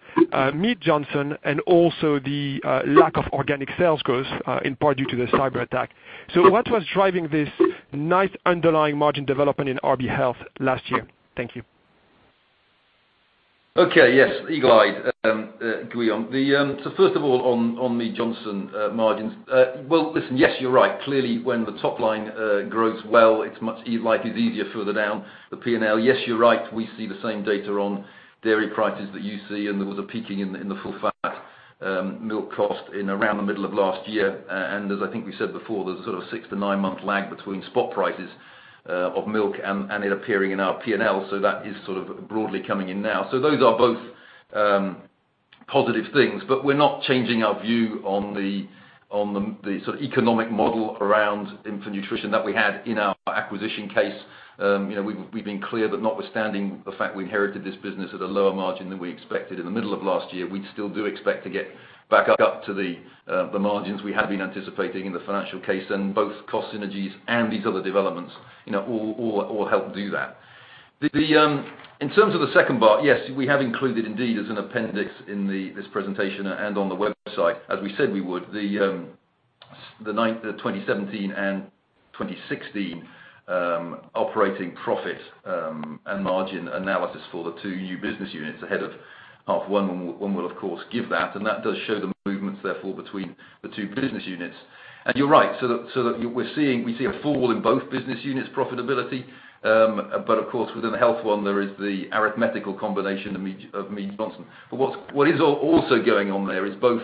Mead Johnson and also the lack of organic sales growth in part due to the cyberattack. What was driving this nice underlying margin development in RB Health last year? Thank you. Okay. Yes. Eagle-eyed, Guillaume. First of all, on Mead Johnson margins. Well, listen, yes, you are right. Clearly, when the top line grows well, life is easier further down the P&L. Yes, you are right. We see the same data on dairy prices that you see, and there was a peaking in the full-fat milk cost in around the middle of last year. As I think we said before, there is sort of a six to nine-month lag between spot prices of milk and it appearing in our P&L. That is sort of broadly coming in now. Those are both positive things, but we are not changing our view on the sort of economic model around infant nutrition that we had in our acquisition case. We have been clear that notwithstanding the fact we inherited this business at a lower margin than we expected in the middle of last year, we still do expect to get back up to the margins we had been anticipating in the financial case and both cost synergies and these other developments all help do that. In terms of the second part, yes, we have included indeed as an appendix in this presentation and on the website, as we said we would, the 2017 and 2016 operating profit and margin analysis for the two new business units ahead of half one, when we will of course give that, and that does show the movements therefore between the two business units. You are right. We see a fall in both business units' profitability. Of course, within the health one, there is the arithmetical combination of Mead Johnson. What is also going on there is both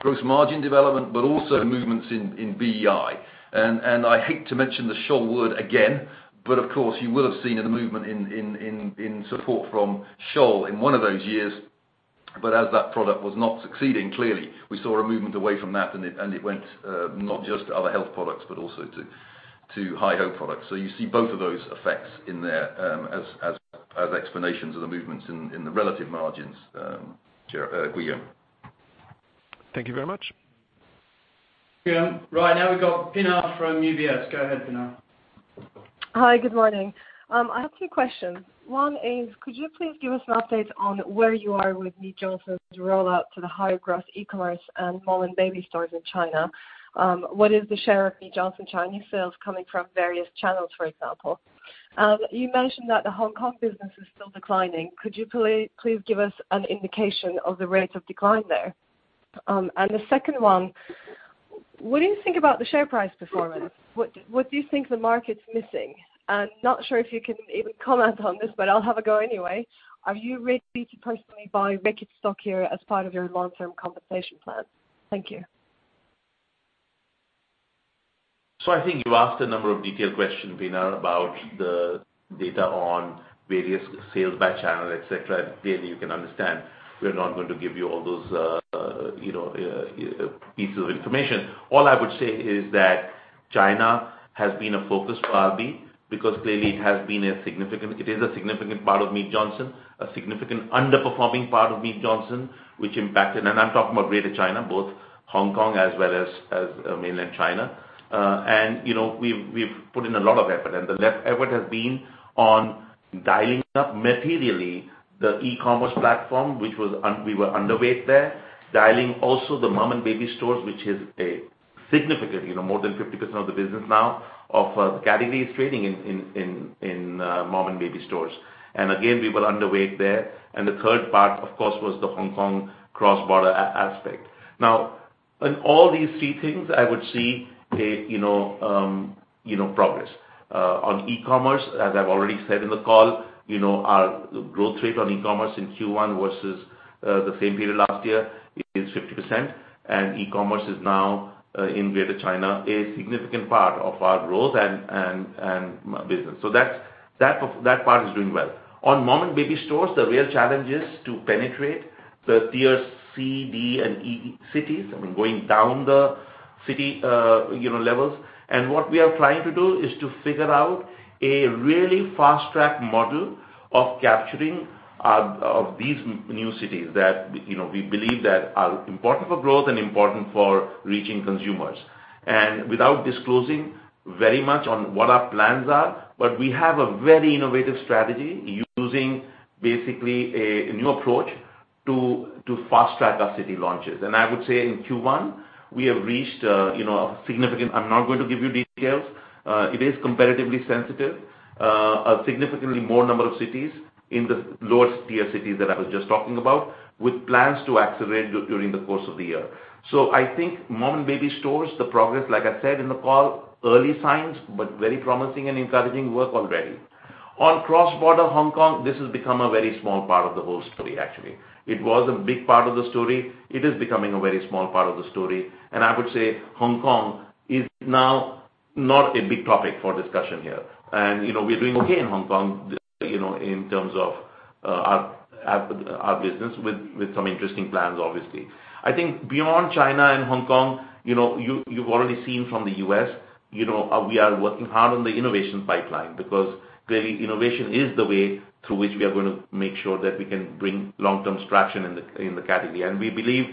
gross margin development, but also movements in BEI. I hate to mention the Scholl word again, but of course, you will have seen a movement in support from Scholl in one of those years. As that product was not succeeding, clearly, we saw a movement away from that, and it went not just to other health products, but also to Hygiene Home products. You see both of those effects in there as explanations of the movements in the relative margins, Guillaume. Thank you very much. Guillaume. Right, now we've got Pinar from UBS. Go ahead, Pinar. Hi. Good morning. I have two questions. One is, could you please give us an update on where you are with Mead Johnson's rollout to the higher-growth e-commerce and mom and baby stores in China? What is the share of Mead Johnson Chinese sales coming from various channels, for example? You mentioned that the Hong Kong business is still declining. Could you please give us an indication of the rate of decline there? The second one, what do you think about the share price performance? What do you think the market's missing? Not sure if you can even comment on this, but I'll have a go anyway. Are you ready to personally buy Reckitt stock here as part of your long-term compensation plan? Thank you. I think you asked a number of detailed questions, Pinar, about the data on various sales by channel, et cetera. Clearly, you can understand we're not going to give you all those pieces of information. All I would say is that China has been a focus for RB because clearly it is a significant part of Mead Johnson, a significant underperforming part of Mead Johnson, which impacted, I'm talking about Greater China, both Hong Kong as well as mainland China. We've put in a lot of effort, the effort has been on dialing up materially the e-commerce platform, which we were underweight there. Dialing also the mom and baby stores, which is a significant, more than 50% of the business now of categories trading in mom and baby stores. Again, we were underweight there. The third part, of course, was the Hong Kong cross-border aspect. Now, on all these three things, I would see progress. On e-commerce, as I've already said in the call, our growth rate on e-commerce in Q1 versus the same period last year is 50%, e-commerce is now, in Greater China, a significant part of our growth and business. That part is doing well. On mom and baby stores, the real challenge is to penetrate the tier C, D, and E cities. I mean, going down the city levels. What we are trying to do is to figure out a really fast-track model of capturing these new cities that we believe that are important for growth and important for reaching consumers. Without disclosing very much on what our plans are, we have a very innovative strategy using basically a new approach to fast-track our city launches. In Q1, we have reached a significantly more number of cities in the lower tier cities that I was just talking about, with plans to accelerate during the course of the year. I think mom and baby stores, the progress, like I said in the call, early signs, very promising and encouraging work already. On cross-border Hong Kong, this has become a very small part of the whole story actually. It was a big part of the story. It is becoming a very small part of the story, I would say Hong Kong is now not a big topic for discussion here. We're doing okay in Hong Kong in terms of our business with some interesting plans, obviously. I think beyond China and Hong Kong, you've already seen from the U.S., we are working hard on the innovation pipeline because clearly innovation is the way through which we are going to make sure that we can bring long-term traction in the category. We believe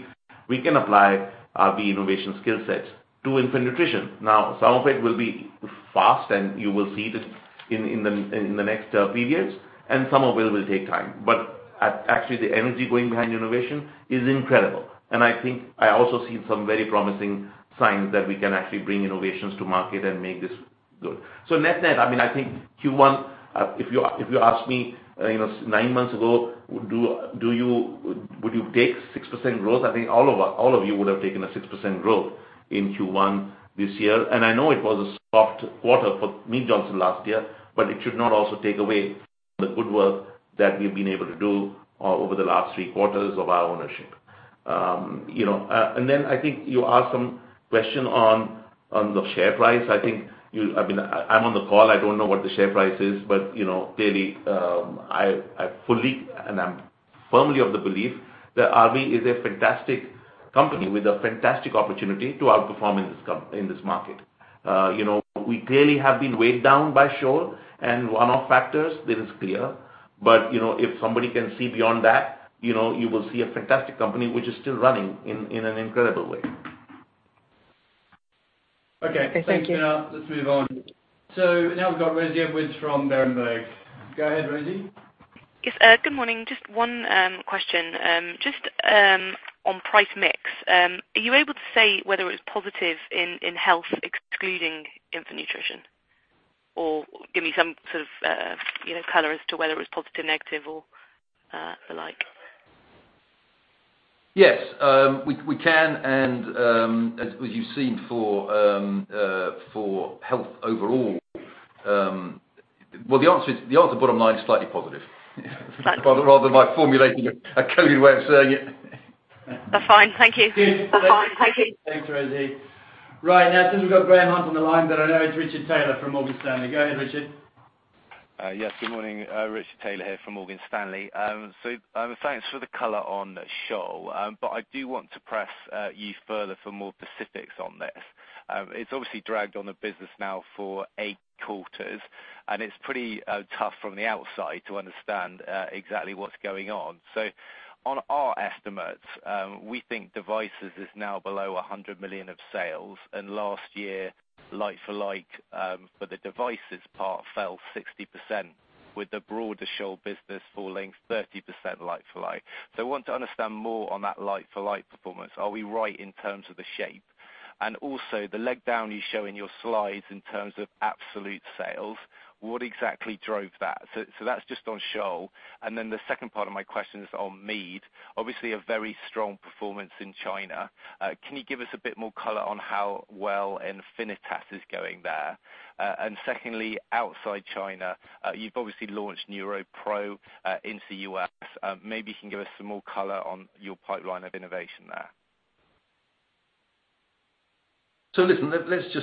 we can apply our innovation skill sets to infant nutrition. Some of it will be fast, you will see this in the next few years, some of it will take time. Actually, the energy going behind innovation is incredible. I think I also see some very promising signs that we can actually bring innovations to market and make this good. Net-net, I think Q1, if you ask me nine months ago, would you take 6% growth? I think all of you would have taken a 6% growth in Q1 this year. I know it was a soft quarter for Mead Johnson last year, it should not also take away the good work that we've been able to do over the last three quarters of our ownership. I think you asked some question on the share price. I'm on the call, I don't know what the share price is, clearly, I fully and I'm firmly of the belief that RB is a fantastic company with a fantastic opportunity to outperform in this market. We clearly have been weighed down by Scholl and one-off factors, that is clear. If somebody can see beyond that, you will see a fantastic company which is still running in an incredible way. Okay. Thanks, Rakesh. Okay, thank you. Let's move on. Now we've got Rosie Wheble from Berenberg. Go ahead, Rosie. Yes. Good morning. Just one question. Just on price mix. Are you able to say whether it was positive in health excluding infant nutrition? Give me some sort of color as to whether it was positive, negative or the like. Yes. We can and as you've seen for health overall, well, the answer bottom line is slightly positive rather than my formulating a coded way of saying it. That's fine. Thank you. Thanks, Rosie. Right. Since we've got Richard Taylor on the line, I know it's Richard Taylor from Morgan Stanley. Go ahead, Richard. Yes, good morning. Richard Taylor here from Morgan Stanley. Thanks for the color on Scholl. I do want to press you further for more specifics on this. It's obviously dragged on the business now for 8 quarters, and it's pretty tough from the outside to understand exactly what's going on. On our estimates, we think devices is now below 100 million of sales. Last year, like for like, for the devices part fell 60% with the broader Scholl business falling 30% like for like. I want to understand more on that like for like performance. Are we right in terms of the shape? Also the leg down you show in your slides in terms of absolute sales, what exactly drove that? That's just on Scholl. Then the second part of my question is on Mead. Obviously a very strong performance in China. Can you give us a bit more color on how well Enfinitas is going there? Secondly, outside China, you've obviously launched NeuroPro into U.S. Maybe you can give us some more color on your pipeline of innovation there. Listen, with the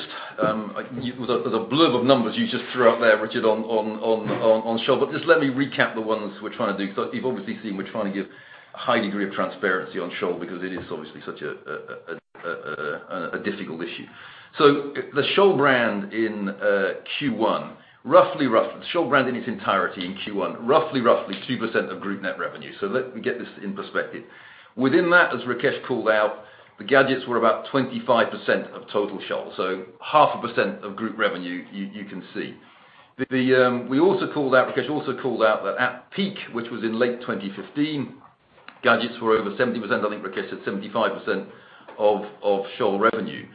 blurb of numbers you just threw out there, Richard, on Scholl. Just let me recap the ones we're trying to do. You've obviously seen, we're trying to give a high degree of transparency on Scholl because it is obviously such a difficult issue. The Scholl brand in Q1, Scholl brand in its entirety in Q1, roughly 2% of group net revenue. Let me get this in perspective. Within that, as Rakesh called out, the gadgets were about 25% of total Scholl. Half a percent of group revenue, you can see. Rakesh also called out that at peak, which was in late 2015, gadgets were over 70%, I think Rakesh said 75% of Scholl revenue.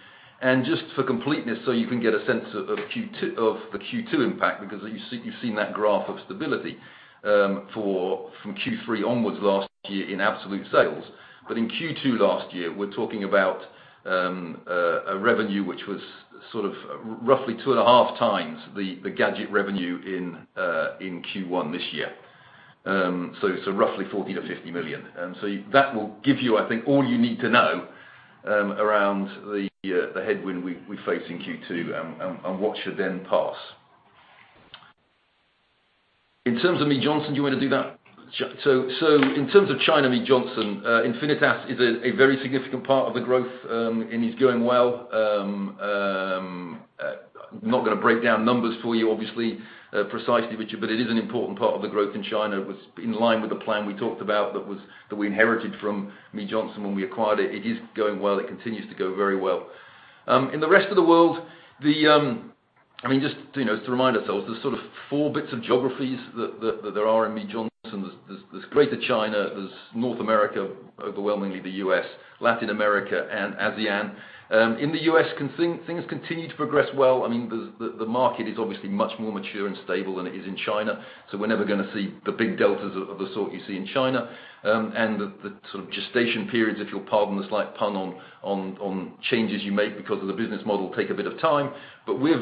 Just for completeness, so you can get a sense of the Q2 impact, because you've seen that graph of stability from Q3 onwards last year in absolute sales. In Q2 last year, we're talking about a revenue which was roughly two and a half times the gadget revenue in Q1 this year. It's roughly 40 million-50 million. That will give you, I think, all you need to know around the headwind we face in Q2 and what should then pass. In terms of Mead Johnson, do you want to do that? In terms of China Mead Johnson, Enfinitas is a very significant part of the growth, and is going well. I'm not going to break down numbers for you, obviously, precisely, Richard, but it is an important part of the growth in China. It was in line with the plan we talked about that we inherited from Mead Johnson when we acquired it. It is going well. It continues to go very well. In the rest of the world, just to remind ourselves, there's sort of four bits of geographies that there are in Mead Johnson. There's Greater China, there's North America, overwhelmingly the U.S., Latin America, and ASEAN. In the U.S., things continue to progress well. The market is obviously much more mature and stable than it is in China, so we're never going to see the big deltas of the sort you see in China. The sort of gestation periods, if you'll pardon the slight pun on changes you make because of the business model take a bit of time. We're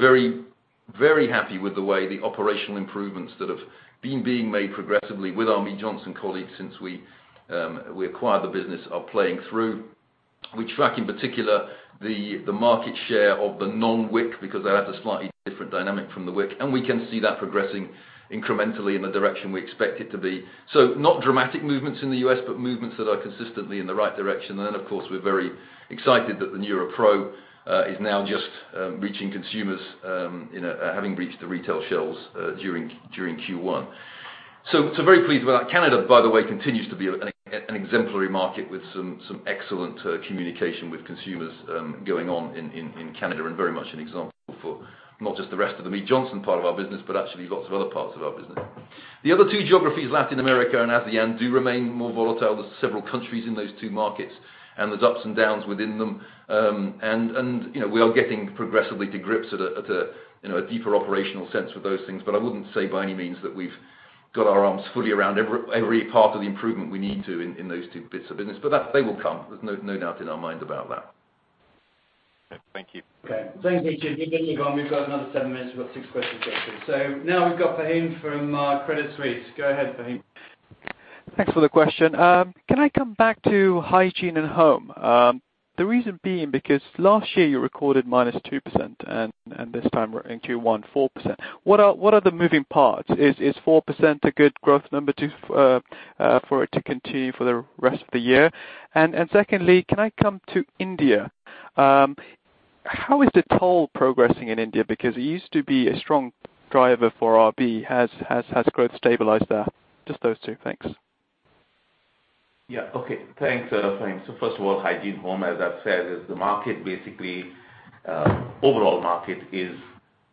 very happy with the way the operational improvements that have been being made progressively with our Mead Johnson colleagues since we acquired the business are playing through. We track, in particular, the market share of the non-WIC because they have a slightly different dynamic from the WIC, and we can see that progressing incrementally in the direction we expect it to be. Not dramatic movements in the U.S., but movements that are consistently in the right direction. Then, of course, we're very excited that the NeuroPro is now just reaching consumers, having reached the retail shelves during Q1. Very pleased with that. Canada, by the way, continues to be an exemplary market with some excellent communication with consumers going on in Canada, and very much an example for not just the rest of the Mead Johnson part of our business, but actually lots of other parts of our business. The other two geographies, Latin America and ASEAN, do remain more volatile. There's several countries in those two markets, and there's ups and downs within them. We are getting progressively to grips at a deeper operational sense with those things. I wouldn't say by any means that we've got our arms fully around every part of the improvement we need to in those two bits of business. They will come. There's no doubt in our mind about that. Thank you. Okay. Thank you, Richard. You can go on. We've got another seven minutes. We've got six questions to get through. Now we've got Fahim from Credit Suisse. Go ahead, Fahim. Thanks for the question. Can I come back to Hygiene Home? The reason being because last year you recorded -2%, and this time in Q1, 4%. What are the moving parts? Is 4% a good growth number for it to continue for the rest of the year? Secondly, can I come to India? How is Dettol progressing in India? Because it used to be a strong driver for RB. Has growth stabilized there? Just those two. Thanks. Thanks, Fahim. First of all, Hygiene Home, as I've said, is the market basically, overall market is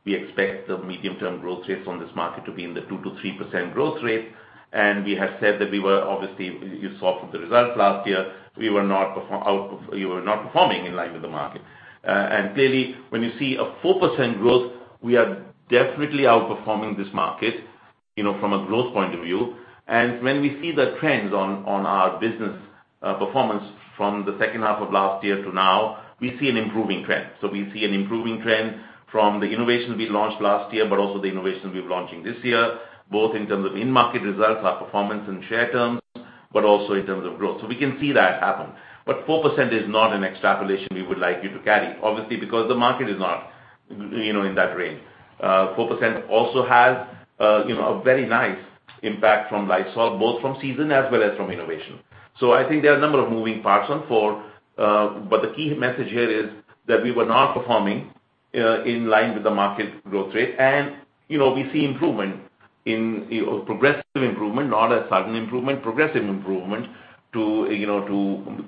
we expect the medium-term growth rates on this market to be in the 2%-3% growth rate. We have said that we were obviously, you saw from the results last year, we were not performing in line with the market. Clearly, when you see a 4% growth, we are definitely outperforming this market from a growth point of view. When we see the trends on our business performance from the second half of last year to now, we see an improving trend. We see an improving trend from the innovations we launched last year, also the innovations we're launching this year, both in terms of in-market results, our performance in share terms, also in terms of growth. We can see that happen. 4% is not an extrapolation we would like you to carry, obviously, because the market is not in that range. 4% also has a very nice impact from Life Sağlık, both from season as well as from innovation. I think there are a number of moving parts on 4. The key message here is that we were not performing in line with the market growth rate. We see progressive improvement, not a sudden improvement, progressive improvement to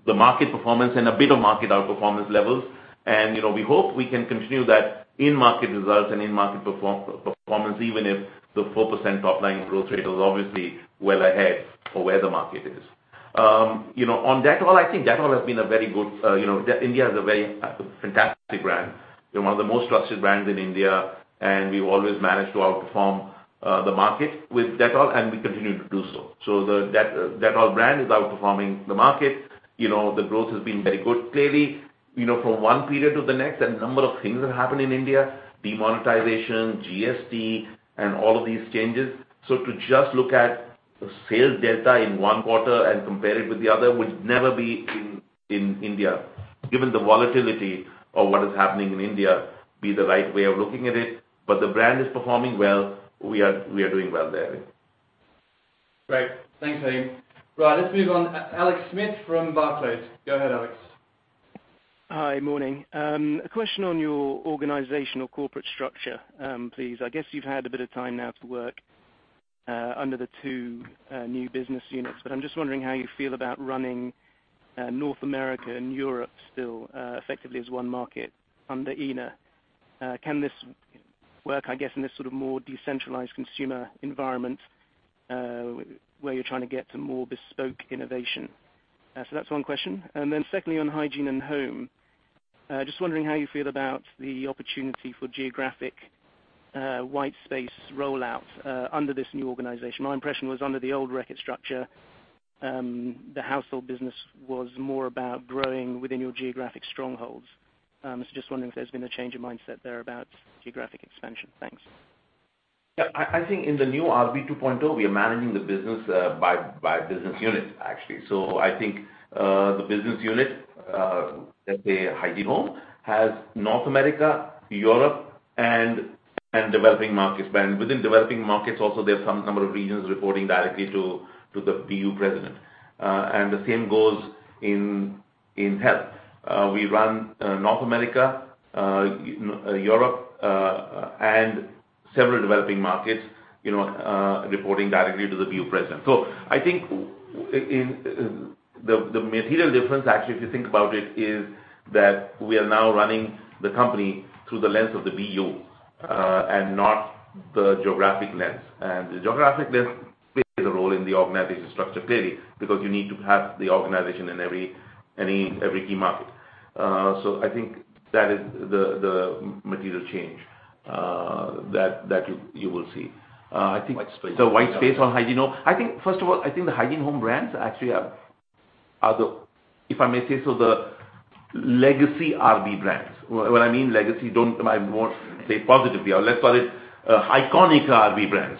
the market performance and a bit of market outperformance levels. We hope we can continue that in-market results and in-market performance, even if the 4% top-line growth rate is obviously well ahead of where the market is. On Dettol, I think Dettol has been a very good. India is a very fantastic brand. They're one of the most trusted brands in India. We've always managed to outperform the market with Dettol, and we continue to do so. The Dettol brand is outperforming the market. The growth has been very good. Clearly, from one period to the next, a number of things have happened in India, demonetization, GST, all of these changes. To just look at the sales data in one quarter and compare it with the other would never be in India, given the volatility of what is happening in India, be the right way of looking at it. The brand is performing well. We are doing well there. Great. Thanks, Fahim. Let's move on. Alex Smith from Barclays. Go ahead, Alex. Hi. Morning. A question on your organizational corporate structure, please. I guess you've had a bit of time now to work under the two new business units, but I'm just wondering how you feel about running North America and Europe still effectively as one market under ENA. Can this work, I guess, in this sort of more decentralized consumer environment? Where you're trying to get to more bespoke innovation. That's one question. Secondly, on Hygiene Home, just wondering how you feel about the opportunity for geographic white space rollout under this new organization. My impression was under the old Reckitt structure, the household business was more about growing within your geographic strongholds. Just wondering if there's been a change in mindset there about geographic expansion. Thanks. I think in the new RB 2.0, we are managing the business by business unit, actually. I think the business unit, let's say Hygiene Home, has North America, Europe, and developing markets. Within developing markets also, there's some number of regions reporting directly to the BU president. The same goes in health. We run North America, Europe, and several developing markets reporting directly to the BU president. I think the material difference actually, if you think about it, is that we are now running the company through the lens of the BU, and not the geographic lens. The geographic lens plays a role in the organization structure, clearly, because you need to have the organization in every key market. I think that is the material change that you will see. White space. The white space on Hygiene Home. First of all, I think the Hygiene Home brands actually are the, if I may say so, the legacy RB brands. What I mean legacy, I won't say it positively. Or let's call it iconic RB brands.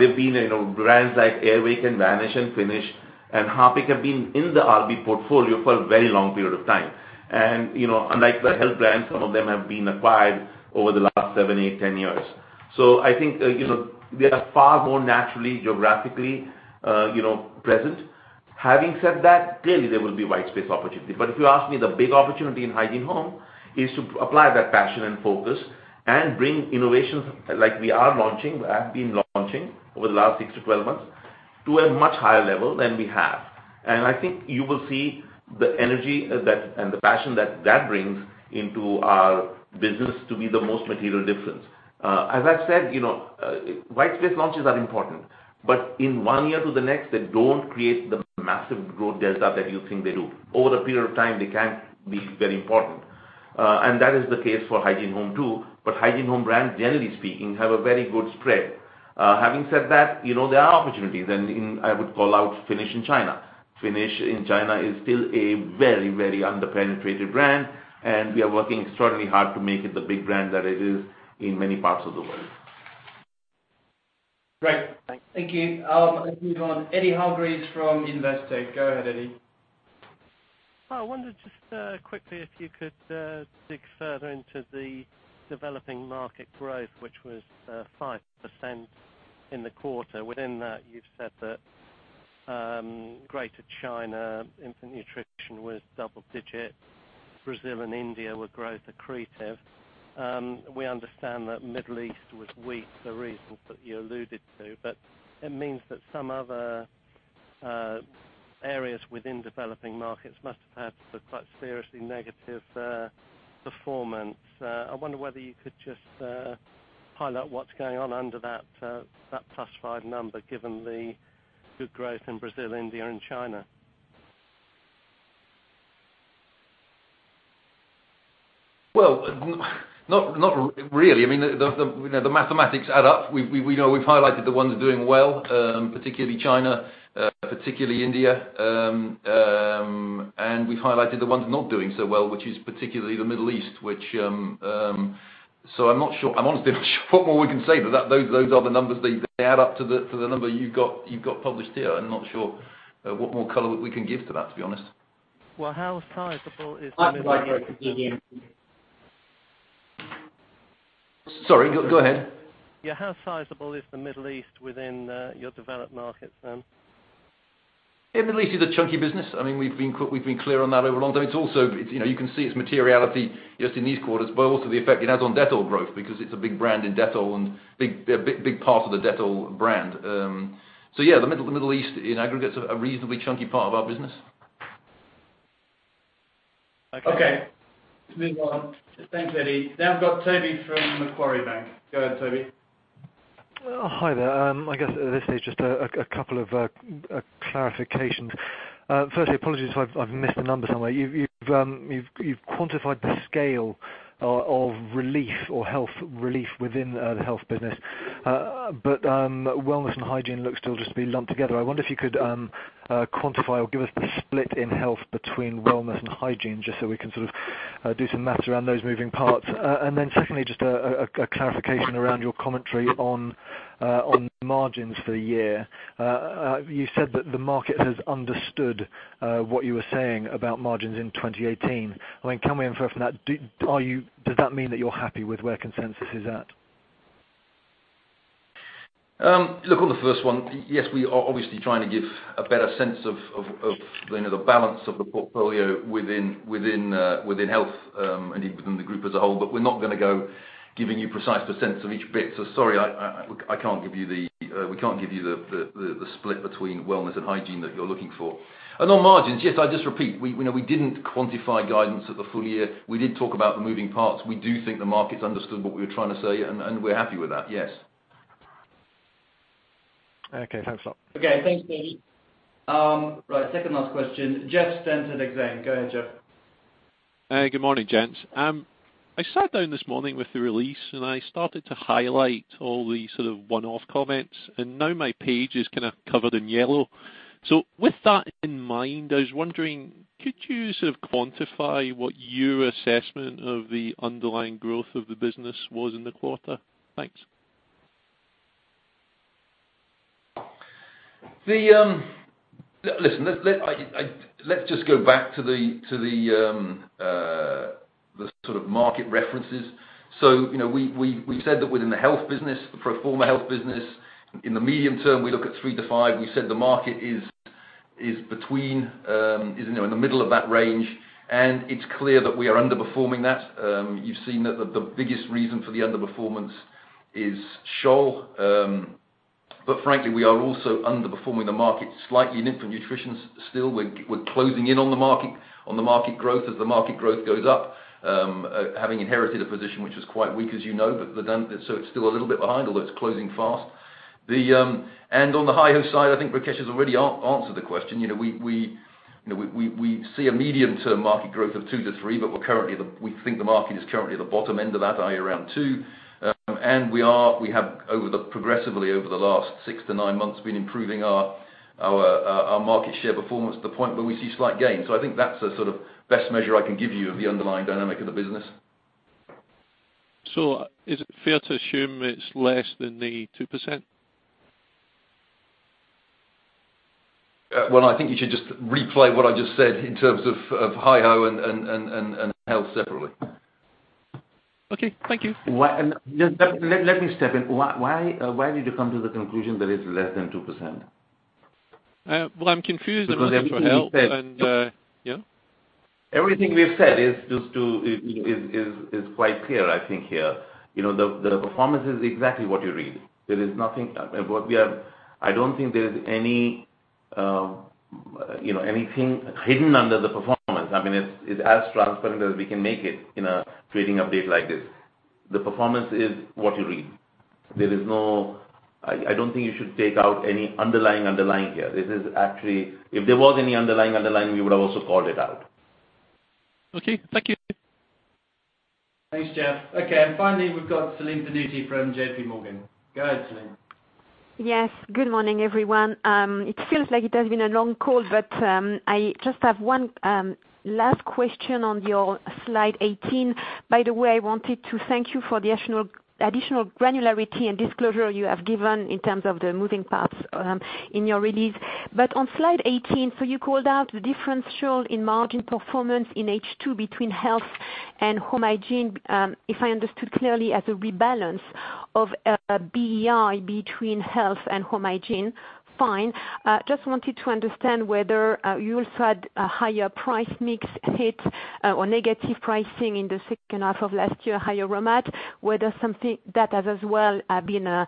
They've been brands like Air Wick and Vanish and Finish and Harpic have been in the RB portfolio for a very long period of time. Unlike the health brands, some of them have been acquired over the last seven, eight, 10 years. I think they are far more naturally geographically present. Having said that, clearly there will be white space opportunities. If you ask me, the big opportunity in Hygiene Home is to apply that passion and focus and bring innovations like we are launching, have been launching over the last six to 12 months to a much higher level than we have. I think you will see the energy and the passion that that brings into our business to be the most material difference. I've said, white space launches are important, but in one year to the next, they don't create the massive growth delta that you think they do. Over a period of time, they can be very important. That is the case for Hygiene Home, too. Hygiene Home brands, generally speaking, have a very good spread. Having said that, there are opportunities, I would call out Finish in China. Finish in China is still a very, very under-penetrated brand, and we are working extraordinarily hard to make it the big brand that it is in many parts of the world. Great. Thanks. Thank you. I'll move on. Eddy Hargreaves from Investec. Go ahead, Eddie. I wondered just quickly if you could dig further into the developing market growth, which was 5% in the quarter. Within that, you've said that Greater China infant nutrition was double digit. Brazil and India were growth accretive. We understand that Middle East was weak, the reasons that you alluded to, but it means that some other areas within developing markets must have had a quite seriously negative performance. I wonder whether you could just highlight what's going on under that +5 number, given the good growth in Brazil, India, and China. Not really. The mathematics add up. We've highlighted the ones doing well, particularly China, particularly India. We've highlighted the ones not doing so well, which is particularly the Middle East. I'm honestly not sure what more we can say, those are the numbers. They add up to the number you've got published here. I'm not sure what more color we can give to that, to be honest. Well, how sizable is the Middle East? Sorry, go ahead. Yeah, how sizable is the Middle East within your developed markets then? Yeah, the Middle East is a chunky business. We've been clear on that over a long time. You can see its materiality just in these quarters, but also the effect it has on Dettol growth, because it's a big brand in Dettol and a big part of the Dettol brand. Yeah, the Middle East in aggregate's a reasonably chunky part of our business. Okay. Okay. Let's move on. Thanks, Eddy. Now I've got Toby from Macquarie Bank. Go ahead, Toby. Hi there. I guess this is just a couple of clarifications. Firstly, apologies if I've missed a number somewhere. You've quantified the scale of relief or health relief within the health business. Wellness and hygiene look still just to be lumped together. I wonder if you could quantify or give us the split in health between wellness and hygiene, just so we can sort of do some maths around those moving parts. Secondly, just a clarification around your commentary on margins for the year. You said that the market has understood what you were saying about margins in 2018. Can we infer from that, does that mean that you're happy with where consensus is at? Look, on the first one, yes, we are obviously trying to give a better sense of the balance of the portfolio within health, and even within the group as a whole. We're not going to go giving you precise percents of each bit. Sorry, we can't give you the split between wellness and hygiene that you're looking for. On margins, yes, I just repeat, we didn't quantify guidance at the full year. We did talk about the moving parts. We do think the markets understood what we were trying to say, and we're happy with that, yes. Okay, thanks a lot. Okay, thanks, Toby. Second-last question, Jeff Stent, Exane. Go ahead, Jeff. Good morning, gents. I sat down this morning with the release, I started to highlight all the sort of one-off comments, now my page is kind of covered in yellow. With that in mind, I was wondering, could you sort of quantify what your assessment of the underlying growth of the business was in the quarter? Thanks. Listen, let's just go back to the sort of market references. We said that within the health business, the pro forma health business, in the medium term, we look at 3 to 5. We said the market is in the middle of that range, it's clear that we are underperforming that. You've seen that the biggest reason for the underperformance is Scholl. Frankly, we are also underperforming the market slightly in Infant Nutrition. Still, we're closing in on the market growth as the market growth goes up, having inherited a position which was quite weak, as you know. It's still a little bit behind, although it's closing fast. On the HiHo side, I think Rakesh has already answered the question. We see a medium-term market growth of 2 to 3, we think the market is currently at the bottom end of that, i.e., around 2. We have, progressively over the last 6 to 9 months, been improving our market share performance to the point where we see slight gains. I think that's the sort of best measure I can give you of the underlying dynamic of the business. Is it fair to assume it's less than the 2%? Well, I think you should just replay what I just said in terms of HiHo and Health separately. Okay. Thank you. Just let me step in. Why did you come to the conclusion that it's less than 2%? Well, I'm confused because. Everything we've said. for Health and, yeah. Everything we have said is quite clear, I think here. The performance is exactly what you read. I don't think there is anything hidden under the performance. It's as transparent as we can make it in a trading update like this. The performance is what you read. I don't think you should take out any underlying here. If there was any underlying, we would have also called it out. Okay. Thank you. Thanks, Jeff. Finally, we've got Celine Pannuti from JPMorgan. Go ahead, Celine. Good morning, everyone. It feels like it has been a long call, I just have one last question on your slide 18. By the way, I wanted to thank you for the additional granularity and disclosure you have given in terms of the moving parts in your release. On slide 18, you called out the differential in margin performance in H2 between Health and Hygiene Home. If I understood clearly, as a rebalance of BEI between Health and Hygiene Home. Fine. Just wanted to understand whether you also had a higher price mix hit or negative pricing in the second half of last year, higher raw mat, whether something that has as well been an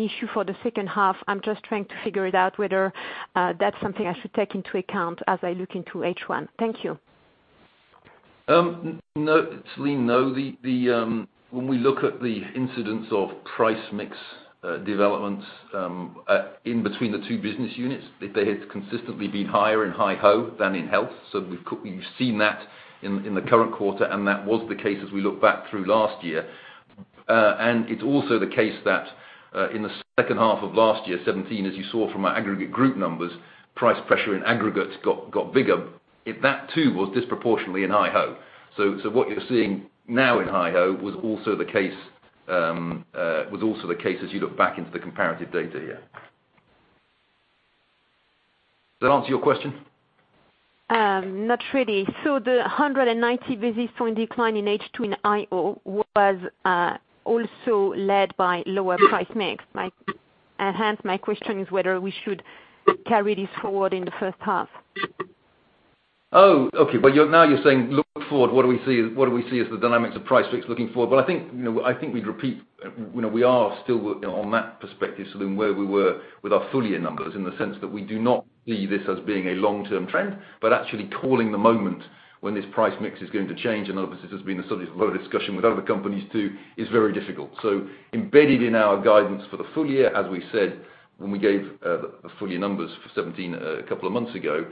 issue for the second half. I'm just trying to figure it out, whether that's something I should take into account as I look into H1. Thank you. No, Celine. When we look at the incidence of price mix developments in between the two business units, they have consistently been higher in HiHo than in Health. You've seen that in the current quarter, and that was the case as we look back through last year. It's also the case that in the second half of last year, 2017, as you saw from our aggregate group numbers, price pressure in aggregate got bigger. That too was disproportionately in HiHo. What you're seeing now in HiHo was also the case as you look back into the comparative data. Does that answer your question? Not really. The 190 basis point decline in H2 in HiHo was also led by lower price mix. Hence, my question is whether we should carry this forward in the first half. Oh, okay. Now you're saying look forward. What do we see as the dynamics of price mix looking forward? I think we'd repeat. We are still working on that perspective, Celine, where we were with our full year numbers, in the sense that we do not see this as being a long-term trend. Actually calling the moment when this price mix is going to change, and obviously this has been a subject of a lot of discussion with other companies too, is very difficult. Embedded in our guidance for the full year, as we said when we gave the full year numbers for 2017 a couple of months ago,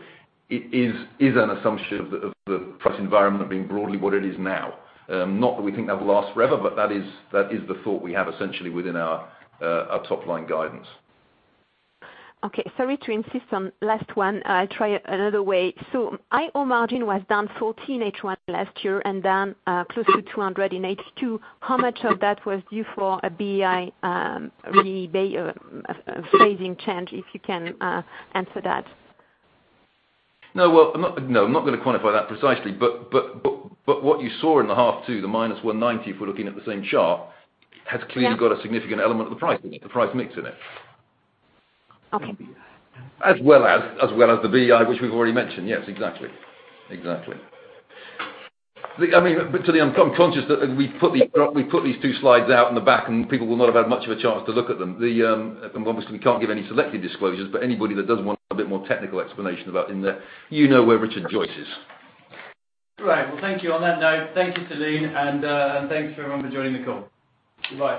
it is an assumption of the price environment being broadly what it is now. Not that we think that'll last forever, but that is the thought we have essentially within our top-line guidance. Okay. Sorry to insist on last one. I try another way. HiHo margin was down 14 H1 last year and down close to 200 in H2. How much of that was due for a BEI phasing change, if you can answer that? No, I'm not going to quantify that precisely. What you saw in the half two, the minus 190, if we're looking at the same chart, has clearly got a significant element of the price mix in it. Okay. As well as the BEI, which we've already mentioned. Yes, exactly. Exactly. I'm conscious that we put these two slides out in the back, and people will not have had much of a chance to look at them. Obviously, we can't give any selective disclosures, but anybody that does want a bit more technical explanation about in there, you know where Richard Joyce is. Right. Well, thank you. On that note, thank you, Celine, and thanks for everyone for joining the call. Goodbye.